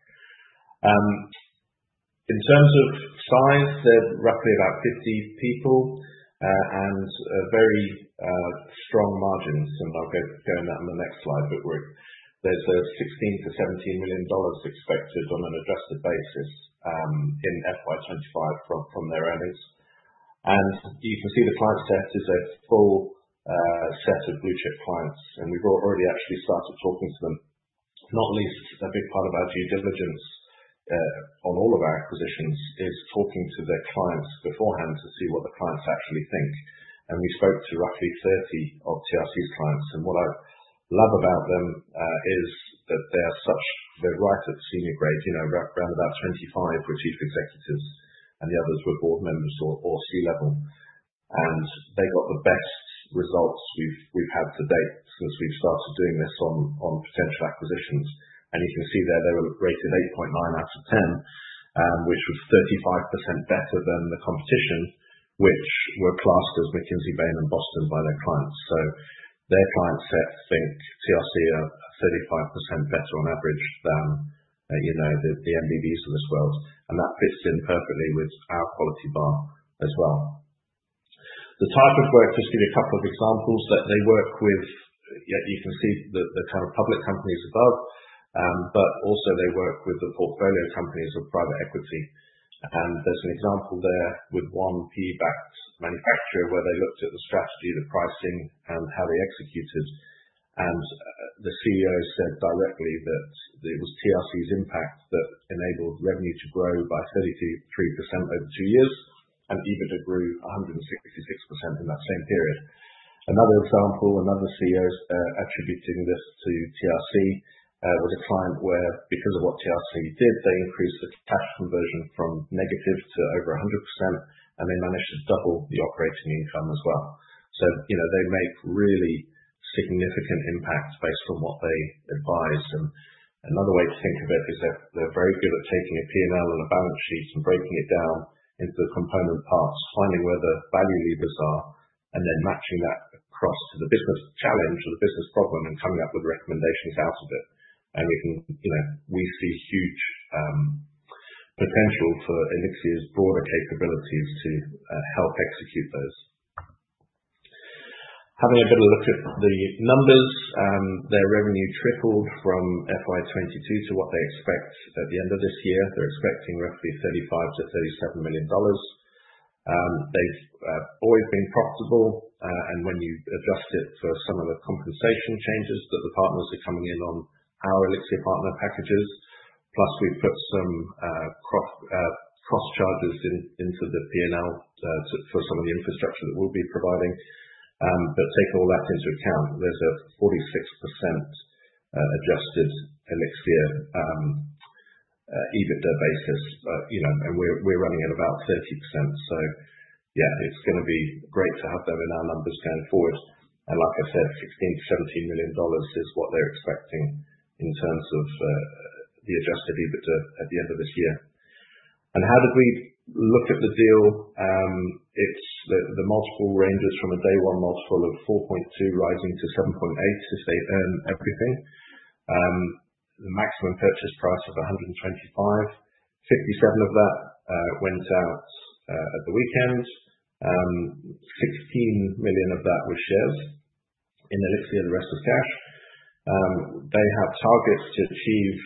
In terms of size, they're roughly about 50 people and very strong margins. I'll go into that on the next slide, but there's a $16 million-$17 million expected on an adjusted basis in FY 2025 from their earnings. You can see the client set is a full set of blue-chip clients. We've already actually started talking to them. Not least, a big part of our due diligence on all of our acquisitions is talking to the clients beforehand to see what the clients actually think. We spoke to roughly 30 of TRC's clients. What I love about them is that they're right at senior grade, around about 25 were chief executives, and the others were board members or C-level. They got the best results we've had to date since we've started doing this on potential acquisitions. And you can see there they were rated 8.9 out of 10, which was 35% better than the competition, which were classed as McKinsey, Bain, and Boston by their clients. So their client set thinks TRC are 35% better on average than the MBBs in this world. And that fits in perfectly with our quality bar as well. The type of work, just give you a couple of examples. They work with, you can see the kind of public companies above, but also they work with the portfolio companies of private equity. And there's an example there with one PE-backed manufacturer where they looked at the strategy, the pricing, and how they executed. And the CEO said directly that it was TRC's impact that enabled revenue to grow by 33% over two years, and EBITDA grew 166% in that same period. Another example, another CEO attributing this to TRC, was a client where, because of what TRC did, they increased the cash conversion from negative to over 100%, and they managed to double the operating income as well, so they make really significant impact based on what they advise, and another way to think of it is they're very good at taking a P&L and a balance sheet and breaking it down into the component parts, finding where the value levers are, and then matching that across to the business challenge or the business problem and coming up with recommendations out of it, and we see huge potential for Elixirr's broader capabilities to help execute those. Having a bit of a look at the numbers, their revenue tripled from FY 2022 to what they expect at the end of this year. They're expecting roughly $35 million-$37 million. They've always been profitable. When you adjust it for some of the compensation changes that the partners are coming in on, our Elixirr partner packages, plus we've put some cross charges into the P&L for some of the infrastructure that we'll be providing. Take all that into account. There's a 46% adjusted Elixirr EBITDA basis, and we're running at about 30%. Yeah, it's going to be great to have them in our numbers going forward. Like I said, $16 million-$17 million is what they're expecting in terms of the adjusted EBITDA at the end of this year. How did we look at the deal? It's the multiple ranges from a day one multiple of 4.2-7.8 if they earn everything. The maximum purchase price of $125 million, $57 million of that went out at the weekend. $16 million of that was shares in Elixirr, the rest was cash. They have targets to achieve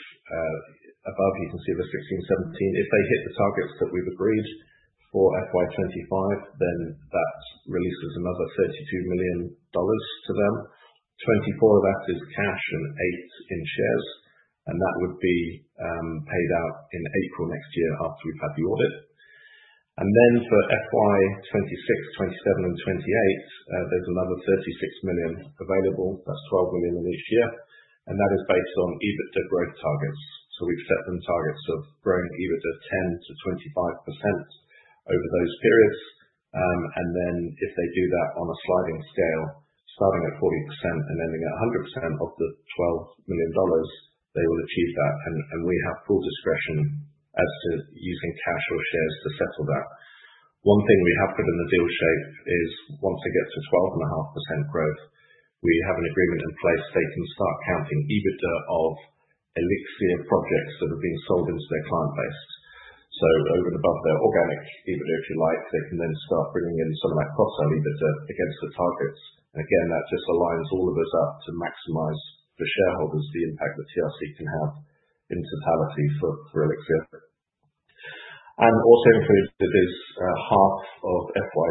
above. You can see there's $16 million-$17 million. If they hit the targets that we've agreed for FY 2025, then that releases another $32 million to them. $24 million of that is cash and $8 million in shares. That would be paid out in April next year after we've had the audit. Then for FY 2026, 2027, and 2028, there's another $36 million available. That's $12 million in each year. That is based on EBITDA growth targets. We've set them targets of growing EBITDA 10%-25% over those periods. If they do that on a sliding scale, starting at 40% and ending at 100% of the $12 million, they will achieve that. We have full discretion as to using cash or shares to settle that. One thing we have put in the deal shape is once they get to 12.5% growth, we have an agreement in place, they can start counting EBITDA of Elixirr projects that have been sold into their client base. So over and above their organic EBITDA, if you like, they can then start bringing in some of that cross-sell EBITDA against the targets. And again, that just aligns all of us up to maximize for shareholders the impact that TRC can have in totality for Elixirr. And also included is half of FY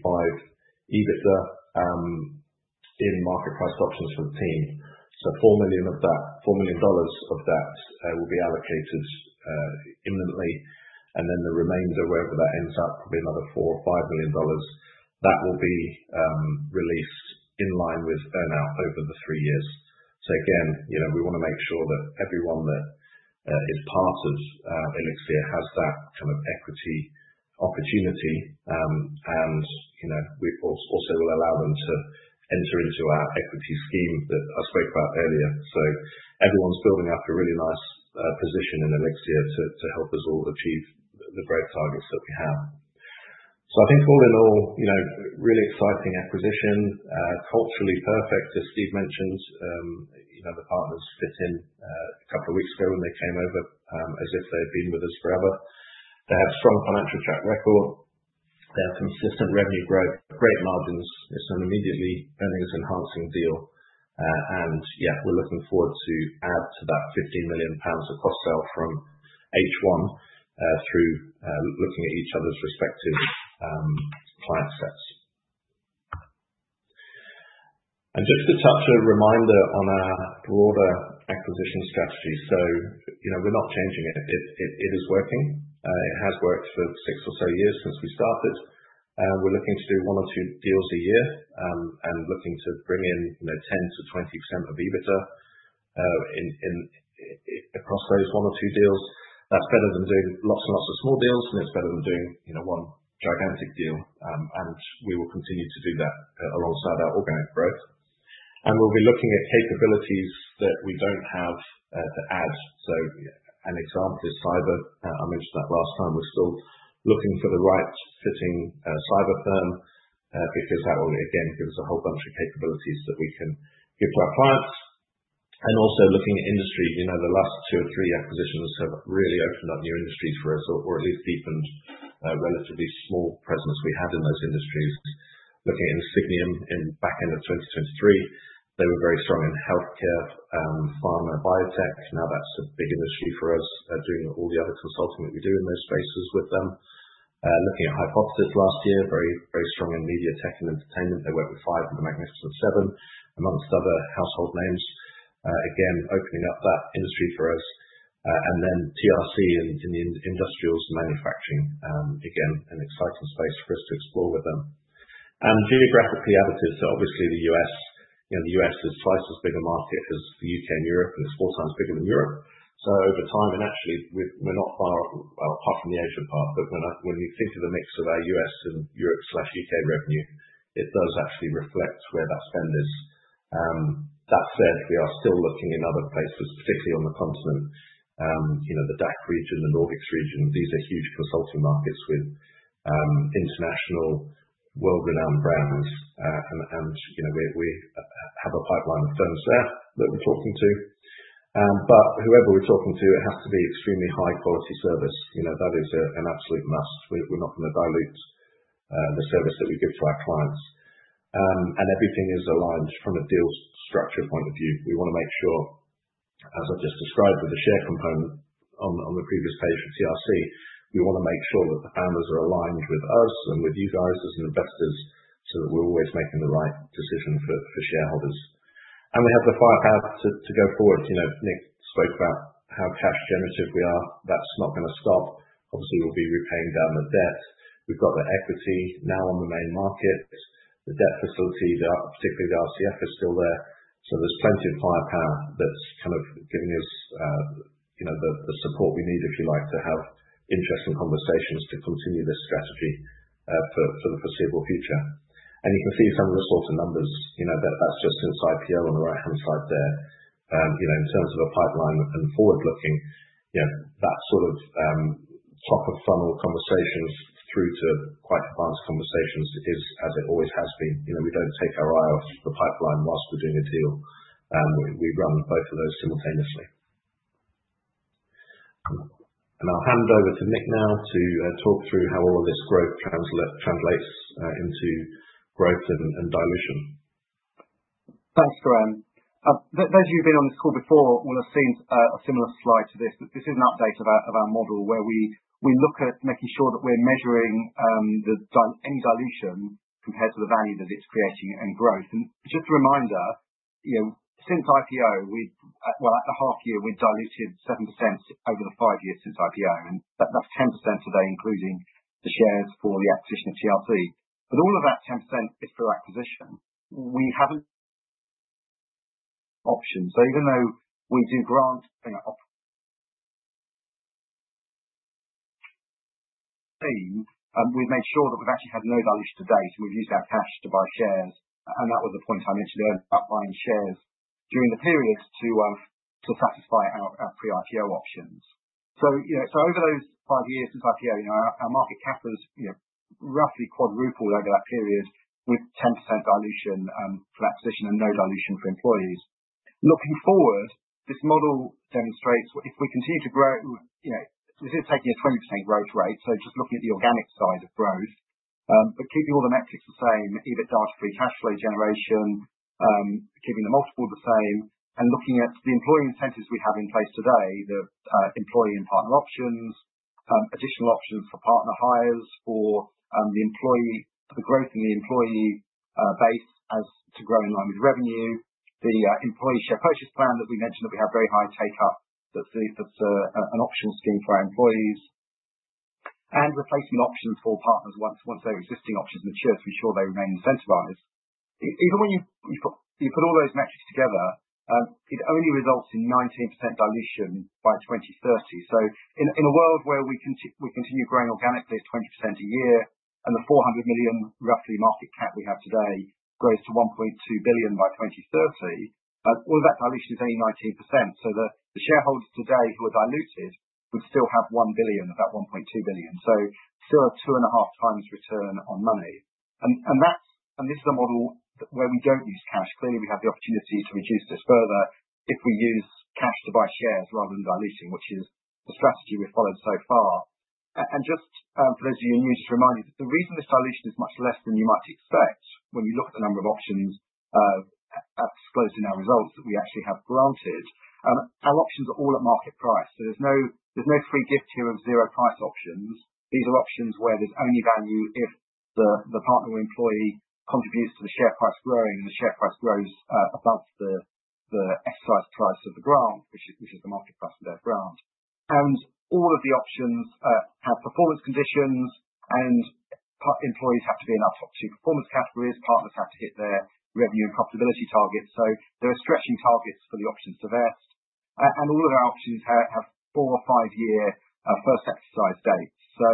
2025 EBITDA in market price options for the team. So $4 million of that, $4 million of that will be allocated imminently. And then the remainder, wherever that ends up, probably another $4 million or $5 million, that will be released in line with earnout over the three years. So again, we want to make sure that everyone that is part of Elixirr has that kind of equity opportunity. And we also will allow them to enter into our equity scheme that I spoke about earlier. So everyone's building up a really nice position in Elixirr to help us all achieve the growth targets that we have. So I think all in all, really exciting acquisition, culturally perfect, as Steve mentioned. The partners fit in a couple of weeks ago when they came over as if they had been with us forever. They have a strong financial track record. They have consistent revenue growth, great margins, and immediately earnings-enhancing deal. And yeah, we're looking forward to add to that 15 million pounds of cross-sell from H1 through looking at each other's respective client sets. And just to touch a reminder on our broader acquisition strategy. So we're not changing it. It is working. It has worked for six or so years since we started. We're looking to do one or two deals a year and looking to bring in 10%-20% of EBITDA across those one or two deals. That's better than doing lots and lots of small deals, and it's better than doing one gigantic deal, and we will continue to do that alongside our organic growth, and we'll be looking at capabilities that we don't have to add, so an example is cyber. I mentioned that last time. We're still looking for the right fitting cyber firm because that will, again, give us a whole bunch of capabilities that we can give to our clients, and also looking at industry, the last two or three acquisitions have really opened up new industries for us or at least deepened relatively small presence we had in those industries. Looking at Insigniam in back end of 2023, they were very strong in healthcare, pharma, biotech. Now that's a big industry for us, doing all the other consulting that we do in those spaces with them. Looking at Hypatos last year, very strong in media tech and entertainment. They went with five and the Magnificent Seven, amongst other household names. Again, opening up that industry for us, and then TRC in the industrials and manufacturing, again, an exciting space for us to explore with them, and geographically additive, so obviously the U.S. The U.S. is twice as big a market as the U.K. and Europe, and it's four times bigger than Europe. So over time, and actually, we're not far apart from the Asia part, but when you think of the mix of our U.S. and Europe/U.K. revenue, it does actually reflect where that spend is. That said, we are still looking in other places, particularly on the continent, the DACH region, the Nordics region. These are huge consulting markets with international, world-renowned brands, and we have a pipeline of firms there that we're talking to, but whoever we're talking to, it has to be extremely high-quality service. That is an absolute must. We're not going to dilute the service that we give to our clients, and everything is aligned from a deal structure point of view. We want to make sure, as I've just described with the share component on the previous page for TRC, we want to make sure that the founders are aligned with us and with you guys as investors so that we're always making the right decision for shareholders, and we have the firepower to go forward. Nick spoke about how cash-generative we are. That's not going to stop. Obviously, we'll be repaying down the debt. We've got the equity now on the main market. The debt facility, particularly the RCF, is still there. So there's plenty of firepower that's kind of giving us the support we need, if you like, to have interesting conversations to continue this strategy for the foreseeable future. And you can see some of the sort of numbers. That's just since IPO on the right-hand side there. In terms of a pipeline and forward-looking, that sort of top-of-funnel conversations through to quite advanced conversations is, as it always has been. We don't take our eye off the pipeline whilst we're doing a deal. We run both of those simultaneously. And I'll hand over to Nick now to talk through how all of this growth translates into growth and dilution. Thanks, Graham. Those of you who've been on this call before will have seen a similar slide to this. This is an update of our model where we look at making sure that we're measuring any dilution compared to the value that it's creating and growth, and just a reminder, since IPO, well, after half a year, we've diluted 7% over the five years since IPO, and that's 10% today, including the shares for the acquisition of TRC, but all of that 10% is for acquisition. We haven't options, so even though we do grant the same, we've made sure that we've actually had no dilution to date, and we've used our cash to buy shares, and that was the point I mentioned earlier, buying shares during the period to satisfy our pre-IPO options. So over those five years since IPO, our market cap has roughly quadrupled over that period with 10% dilution for acquisition and no dilution for employees. Looking forward, this model demonstrates if we continue to grow. This is taking a 20% growth rate. So just looking at the organic side of growth, but keeping all the metrics the same, EBITDA free cash flow generation, keeping the multiple the same, and looking at the employee incentives we have in place today, the employee and partner options, additional options for partner hires for the growth in the employee base as to grow in line with revenue, the employee share purchase plan that we mentioned that we have very high take-up, that's an optional scheme for our employees, and replacement options for partners once their existing options mature to ensure they remain incentivized. Even when you put all those metrics together, it only results in 19% dilution by 2030. So in a world where we continue growing organically at 20% a year, and the 400 million roughly market cap we have today grows to 1.2 billion by 2030, all of that dilution is only 19%. So the shareholders today who are diluted would still have 1 billion, about 1.2 billion. So still a two and a half times return on money. And this is a model where we don't use cash. Clearly, we have the opportunity to reduce this further if we use cash to buy shares rather than diluting, which is the strategy we've followed so far. And just for those of you new, just remind you that the reason this dilution is much less than you might expect, when you look at the number of options exercised in our results that we actually have granted, our options are all at market price. So there's no free gift here of zero price options. These are options where there's only value if the partner or employee contributes to the share price growing, and the share price grows above the exercise price of the grant, which is the market price for their grant. And all of the options have performance conditions, and employees have to be in our top two performance categories. Partners have to hit their revenue and profitability targets. So there are stretching targets for the options to vest. And all of our options have four- or five-year first exercise dates. So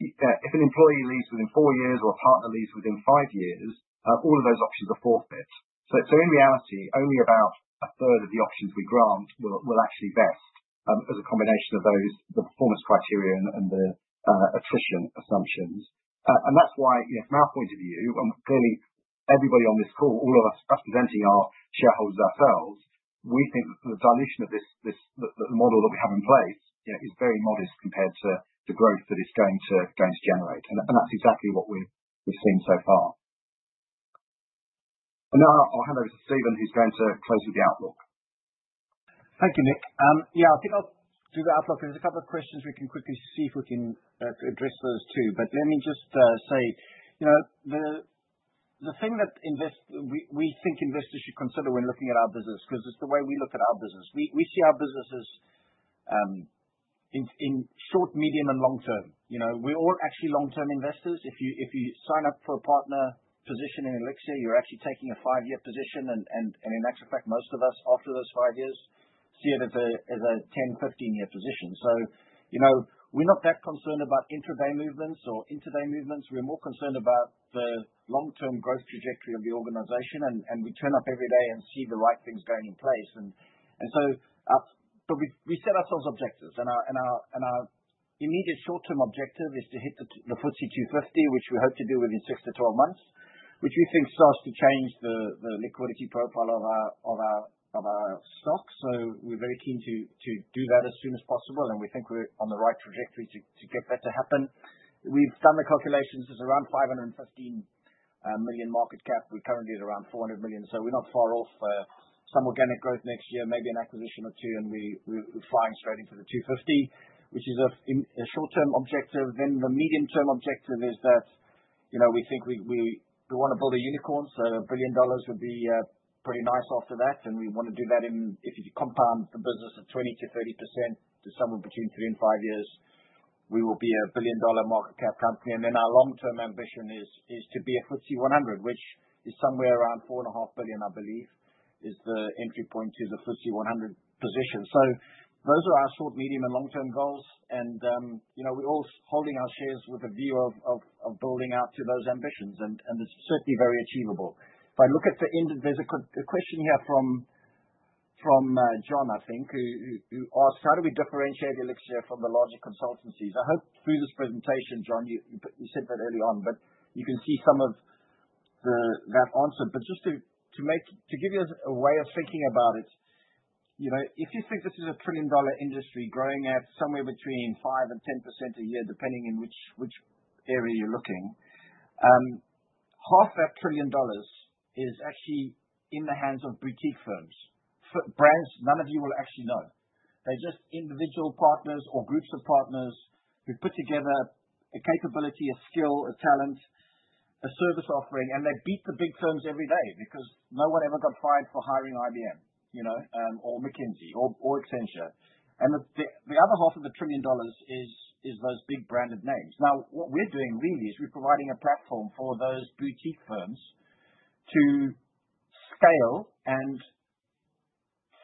if an employee leaves within four years or a partner leaves within five years, all of those options are forfeit. So in reality, only about a third of the options we grant will actually vest as a combination of those, the performance criteria and the attrition assumptions. And that's why, from our point of view, and clearly, everybody on this call, all of us presenting are shareholders ourselves, we think that the dilution of the model that we have in place is very modest compared to the growth that it's going to generate. And that's exactly what we've seen so far. And now I'll hand over to Stephen, who's going to close with the outlook. Thank you, Nick. Yeah, I think I'll do the outlook. There's a couple of questions we can quickly see if we can address those too. But let me just say, the thing that we think investors should consider when looking at our business, because it's the way we look at our business. We see our businesses in short, medium, and long-term. We're all actually long-term investors. If you sign up for a partner position in Elixirr, you're actually taking a five-year position. And in actual fact, most of us after those five years see it as a 10, 15-year position. So we're not that concerned about intraday movements or interday movements. We're more concerned about the long-term growth trajectory of the organization. And we turn up every day and see the right things going in place. And so we set ourselves objectives. Our immediate short-term objective is to hit the FTSE 250, which we hope to do within six to 12 months, which we think starts to change the liquidity profile of our stock. We're very keen to do that as soon as possible. We think we're on the right trajectory to get that to happen. We've done the calculations. It's around 515 million market cap. We're currently at around 400 million. We're not far off some organic growth next year, maybe an acquisition or two, and we're flying straight into the 250, which is a short-term objective. The medium-term objective is that we think we want to build a unicorn. A billion dollars would be pretty nice after that. We want to do that if you compound the business at 20%-30% to somewhere between three and five years. We will be a billion-dollar market cap company. Our long-term ambition is to be a FTSE 100, which is somewhere around 4.5 billion, I believe, is the entry point to the FTSE 100 position. Those are our short, medium, and long-term goals. We're all holding our shares with a view of building out to those ambitions. It's certainly very achievable. If I look at the end, there's a question here from John, I think, who asked, how do we differentiate Elixirr from the larger consultancies? I hope through this presentation, John, you said that early on, but you can see some of that answer. But just to give you a way of thinking about it, if you think this is a $1 trillion industry growing at somewhere between 5% and 10% a year, depending in which area you're looking, $500 billion is actually in the hands of boutique firms, brands none of you will actually know. They're just individual partners or groups of partners who put together a capability, a skill, a talent, a service offering, and they beat the big firms every day because no one ever got fired for hiring IBM or McKinsey or Accenture. And the other $500 billion is those big branded names. Now, what we're doing really is we're providing a platform for those boutique firms to scale and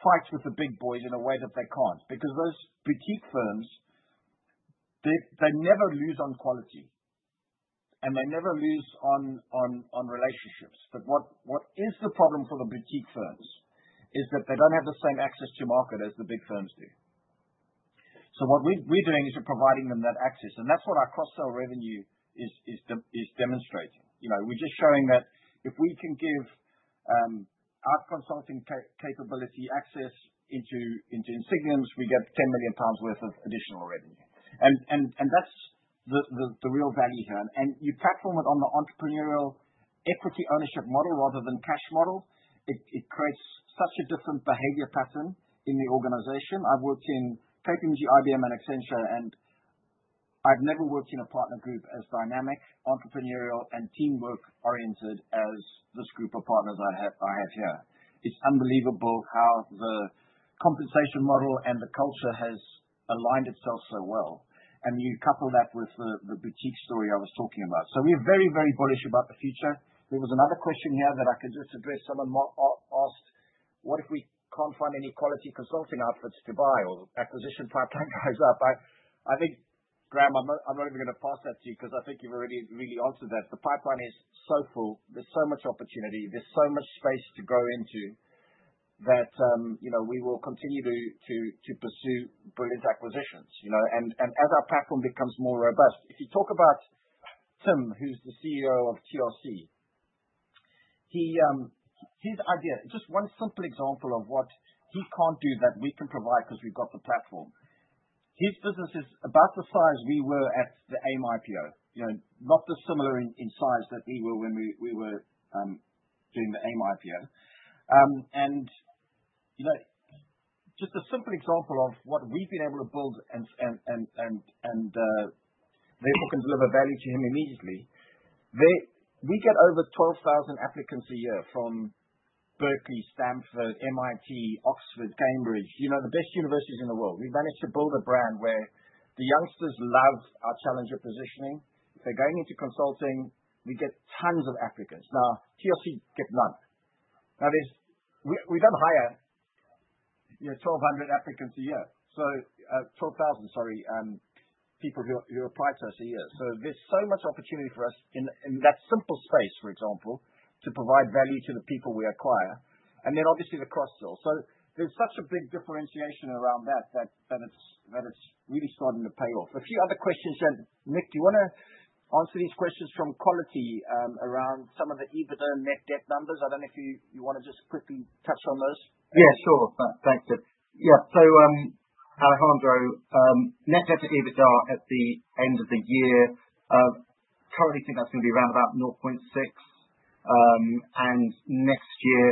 fight with the big boys in a way that they can't. Because those boutique firms, they never lose on quality. They never lose on relationships. What is the problem for the boutique firms is that they don't have the same access to market as the big firms do. What we're doing is we're providing them that access. That's what our cross-sell revenue is demonstrating. We're just showing that if we can give our consulting capability access into incumbents, we get 10 million pounds worth of additional revenue. That's the real value here. You platform it on the entrepreneurial equity ownership model rather than cash model. It creates such a different behavior pattern in the organization. I've worked in KPMG, IBM, and Accenture, and I've never worked in a partner group as dynamic, entrepreneurial, and teamwork-oriented as this group of partners I have here. It's unbelievable how the compensation model and the culture has aligned itself so well. And you couple that with the boutique story I was talking about. So we're very, very bullish about the future. There was another question here that I could just address. Someone asked, what if we can't find any quality consulting outfits to buy or acquisition pipeline goes up? I think, Graham, I'm not even going to pass that to you because I think you've already really answered that. The pipeline is so full. There's so much opportunity. There's so much space to grow into that we will continue to pursue brilliant acquisitions. And as our platform becomes more robust, if you talk about Tim, who's the CEO of TRC, his idea, just one simple example of what he can't do that we can provide because we've got the platform. His business is about the size we were at the AIM IPO, not dissimilar in size that we were when we were doing the AIM IPO. Just a simple example of what we've been able to build and therefore can deliver value to him immediately, we get over 12,000 applicants a year from Berkeley, Stanford, MIT, Oxford, Cambridge, the best universities in the world. We've managed to build a brand where the youngsters love our challenger positioning. If they're going into consulting, we get tons of applicants. Now, TRC gets none. Now, we don't hire 1,200 applicants a year. Sorry, people who apply to us a year. So there's so much opportunity for us in that simple space, for example, to provide value to the people we acquire. And then obviously the cross-sell. So there's such a big differentiation around that that it's really starting to pay off. A few other questions. Nick, do you want to answer these questions from equity around some of the EBITDA and net debt numbers? I don't know if you want to just quickly touch on those. Yeah, sure. Thanks, Steve. Yeah. So Alejandro, net debt to EBITDA at the end of the year, I currently think that's going to be around about 0.6, and next year,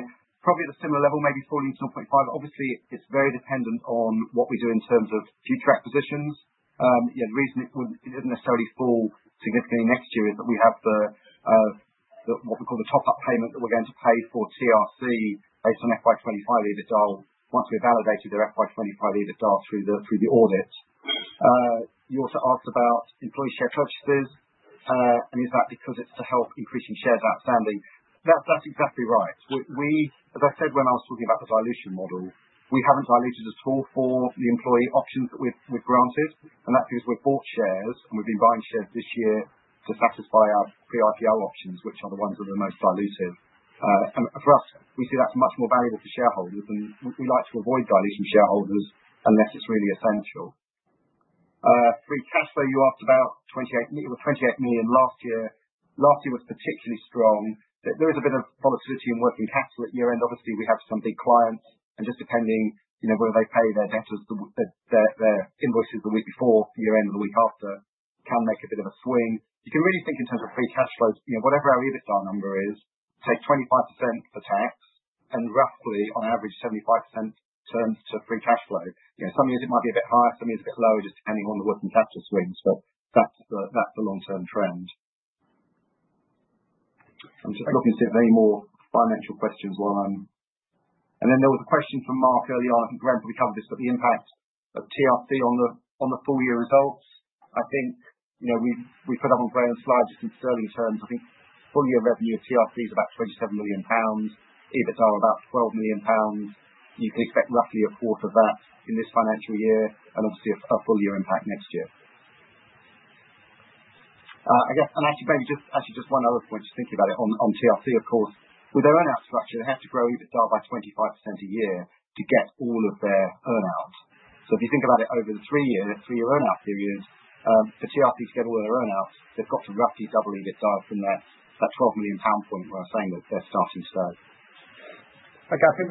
probably at a similar level, maybe falling to 0.5. Obviously, it's very dependent on what we do in terms of future acquisitions. The reason it wouldn't necessarily fall significantly next year is that we have what we call the top-up payment that we're going to pay for TRC based on FY 2025 EBITDA once we've validated their FY 2025 EBITDA through the audit. You also asked about employee share purchases, and is that because it's to help increasing shares outstanding? That's exactly right. As I said when I was talking about the dilution model, we haven't diluted at all for the employee options that we've granted, and that's because we've bought shares, and we've been buying shares this year to satisfy our pre-IPO options, which are the ones that are the most diluted, and for us, we see that's much more valuable for shareholders, and we like to avoid dilution for shareholders unless it's really essential. Free cash flow you asked about, it was 28 million last year. Last year was particularly strong. There is a bit of volatility in working capital at year-end. Obviously, we have some big clients, and just depending where they pay their invoices the week before year-end or the week after can make a bit of a swing. You can really think in terms of free cash flows. Whatever our EBITDA number is, take 25% for tax and roughly, on average, 75% turns to free cash flow. Some years it might be a bit higher. Some years a bit lower, just depending on the working capital swings, but that's the long-term trend. I'm just looking to see if there are any more financial questions while I'm. And then there was a question from Marc early on. I think Graham probably covered this, but the impact of TRC on the full-year results. I think we've put up on Graham's slide just in sterling terms. I think full-year revenue of TRC is about 27 million pounds. EBITDA are about 12 million pounds. You can expect roughly a quarter of that in this financial year and obviously a full-year impact next year. And actually, maybe just one other point, just thinking about it on TRC, of course. With their earnout structure, they have to grow EBITDA by 25% a year to get all of their earnouts. So if you think about it over the three-year earnout period, for TRC to get all of their earnouts, they've got to roughly double EBITDA from that 12 million pound point where I'm saying that they're starting slow. Okay. I think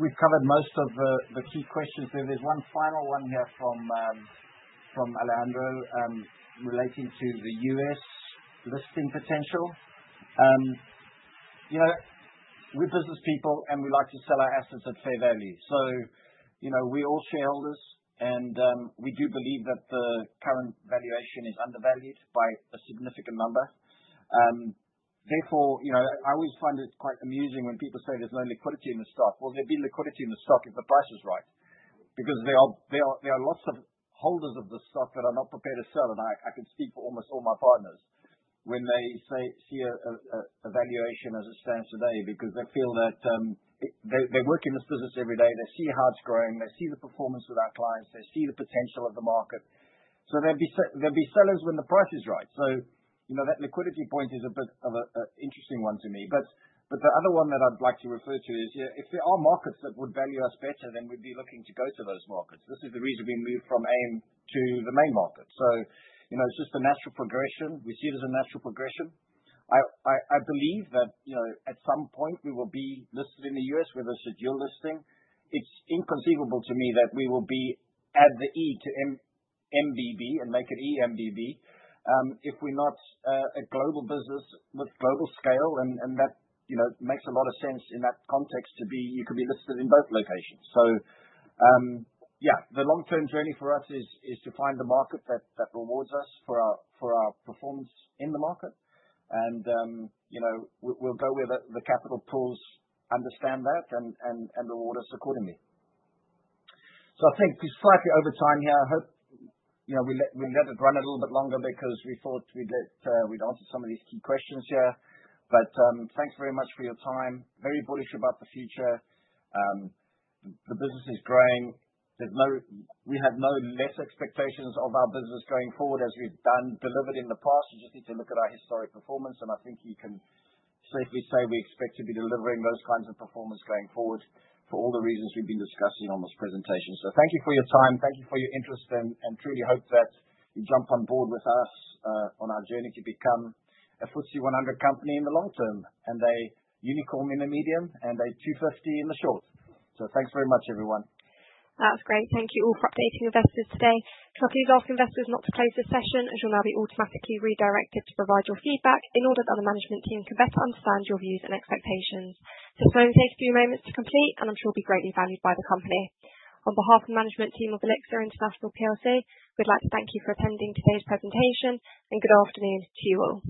we've covered most of the key questions there. There's one final one here from Alejandro relating to the U.S. listing potential. We're business people, and we like to sell our assets at fair value. So we're all shareholders, and we do believe that the current valuation is undervalued by a significant number. Therefore, I always find it quite amusing when people say there's no liquidity in the stock. Well, there'd be liquidity in the stock if the price was right. Because there are lots of holders of the stock that are not prepared to sell. And I can speak for almost all my partners when they see a valuation as it stands today because they feel that they work in this business every day. They see how it's growing. They see the performance with our clients. They see the potential of the market. So there'll be sellers when the price is right. So that liquidity point is a bit of an interesting one to me. But the other one that I'd like to refer to is if there are markets that would value us better, then we'd be looking to go to those markets. This is the reason we moved from AIM to the main market. So it's just a natural progression. We see it as a natural progression. I believe that at some point we will be listed in the U.S. with a scheduled listing. It's inconceivable to me that we will add the e to MBB and make it eMBB if we're not a global business with global scale. And that makes a lot of sense in that context to be. You could be listed in both locations. So yeah, the long-term journey for us is to find the market that rewards us for our performance in the market. And we'll go where the capital pools understand that and reward us accordingly. So I think we're slightly over time here. I hope we let it run a little bit longer because we thought we'd answered some of these key questions here. But thanks very much for your time. Very bullish about the future. The business is growing. We have no less expectations of our business going forward as we've delivered in the past. You just need to look at our historic performance, and I think you can safely say we expect to be delivering those kinds of performance going forward for all the reasons we've been discussing on this presentation. So thank you for your time. Thank you for your interest, and I truly hope that you jump on board with us on our journey to become a FTSE 100 company in the long-term and a unicorn in the medium and a 250 in the short. So thanks very much, everyone. That's great. Thank you all for updating investors today. Please ask investors not to close the session as you'll now be automatically redirected to provide your feedback in order that the management team can better understand your views and expectations. This will only take a few moments to complete, and I'm sure it'll be greatly valued by the company. On behalf of the management team of Elixirr International plc, we'd like to thank you for attending today's presentation. Good afternoon to you all.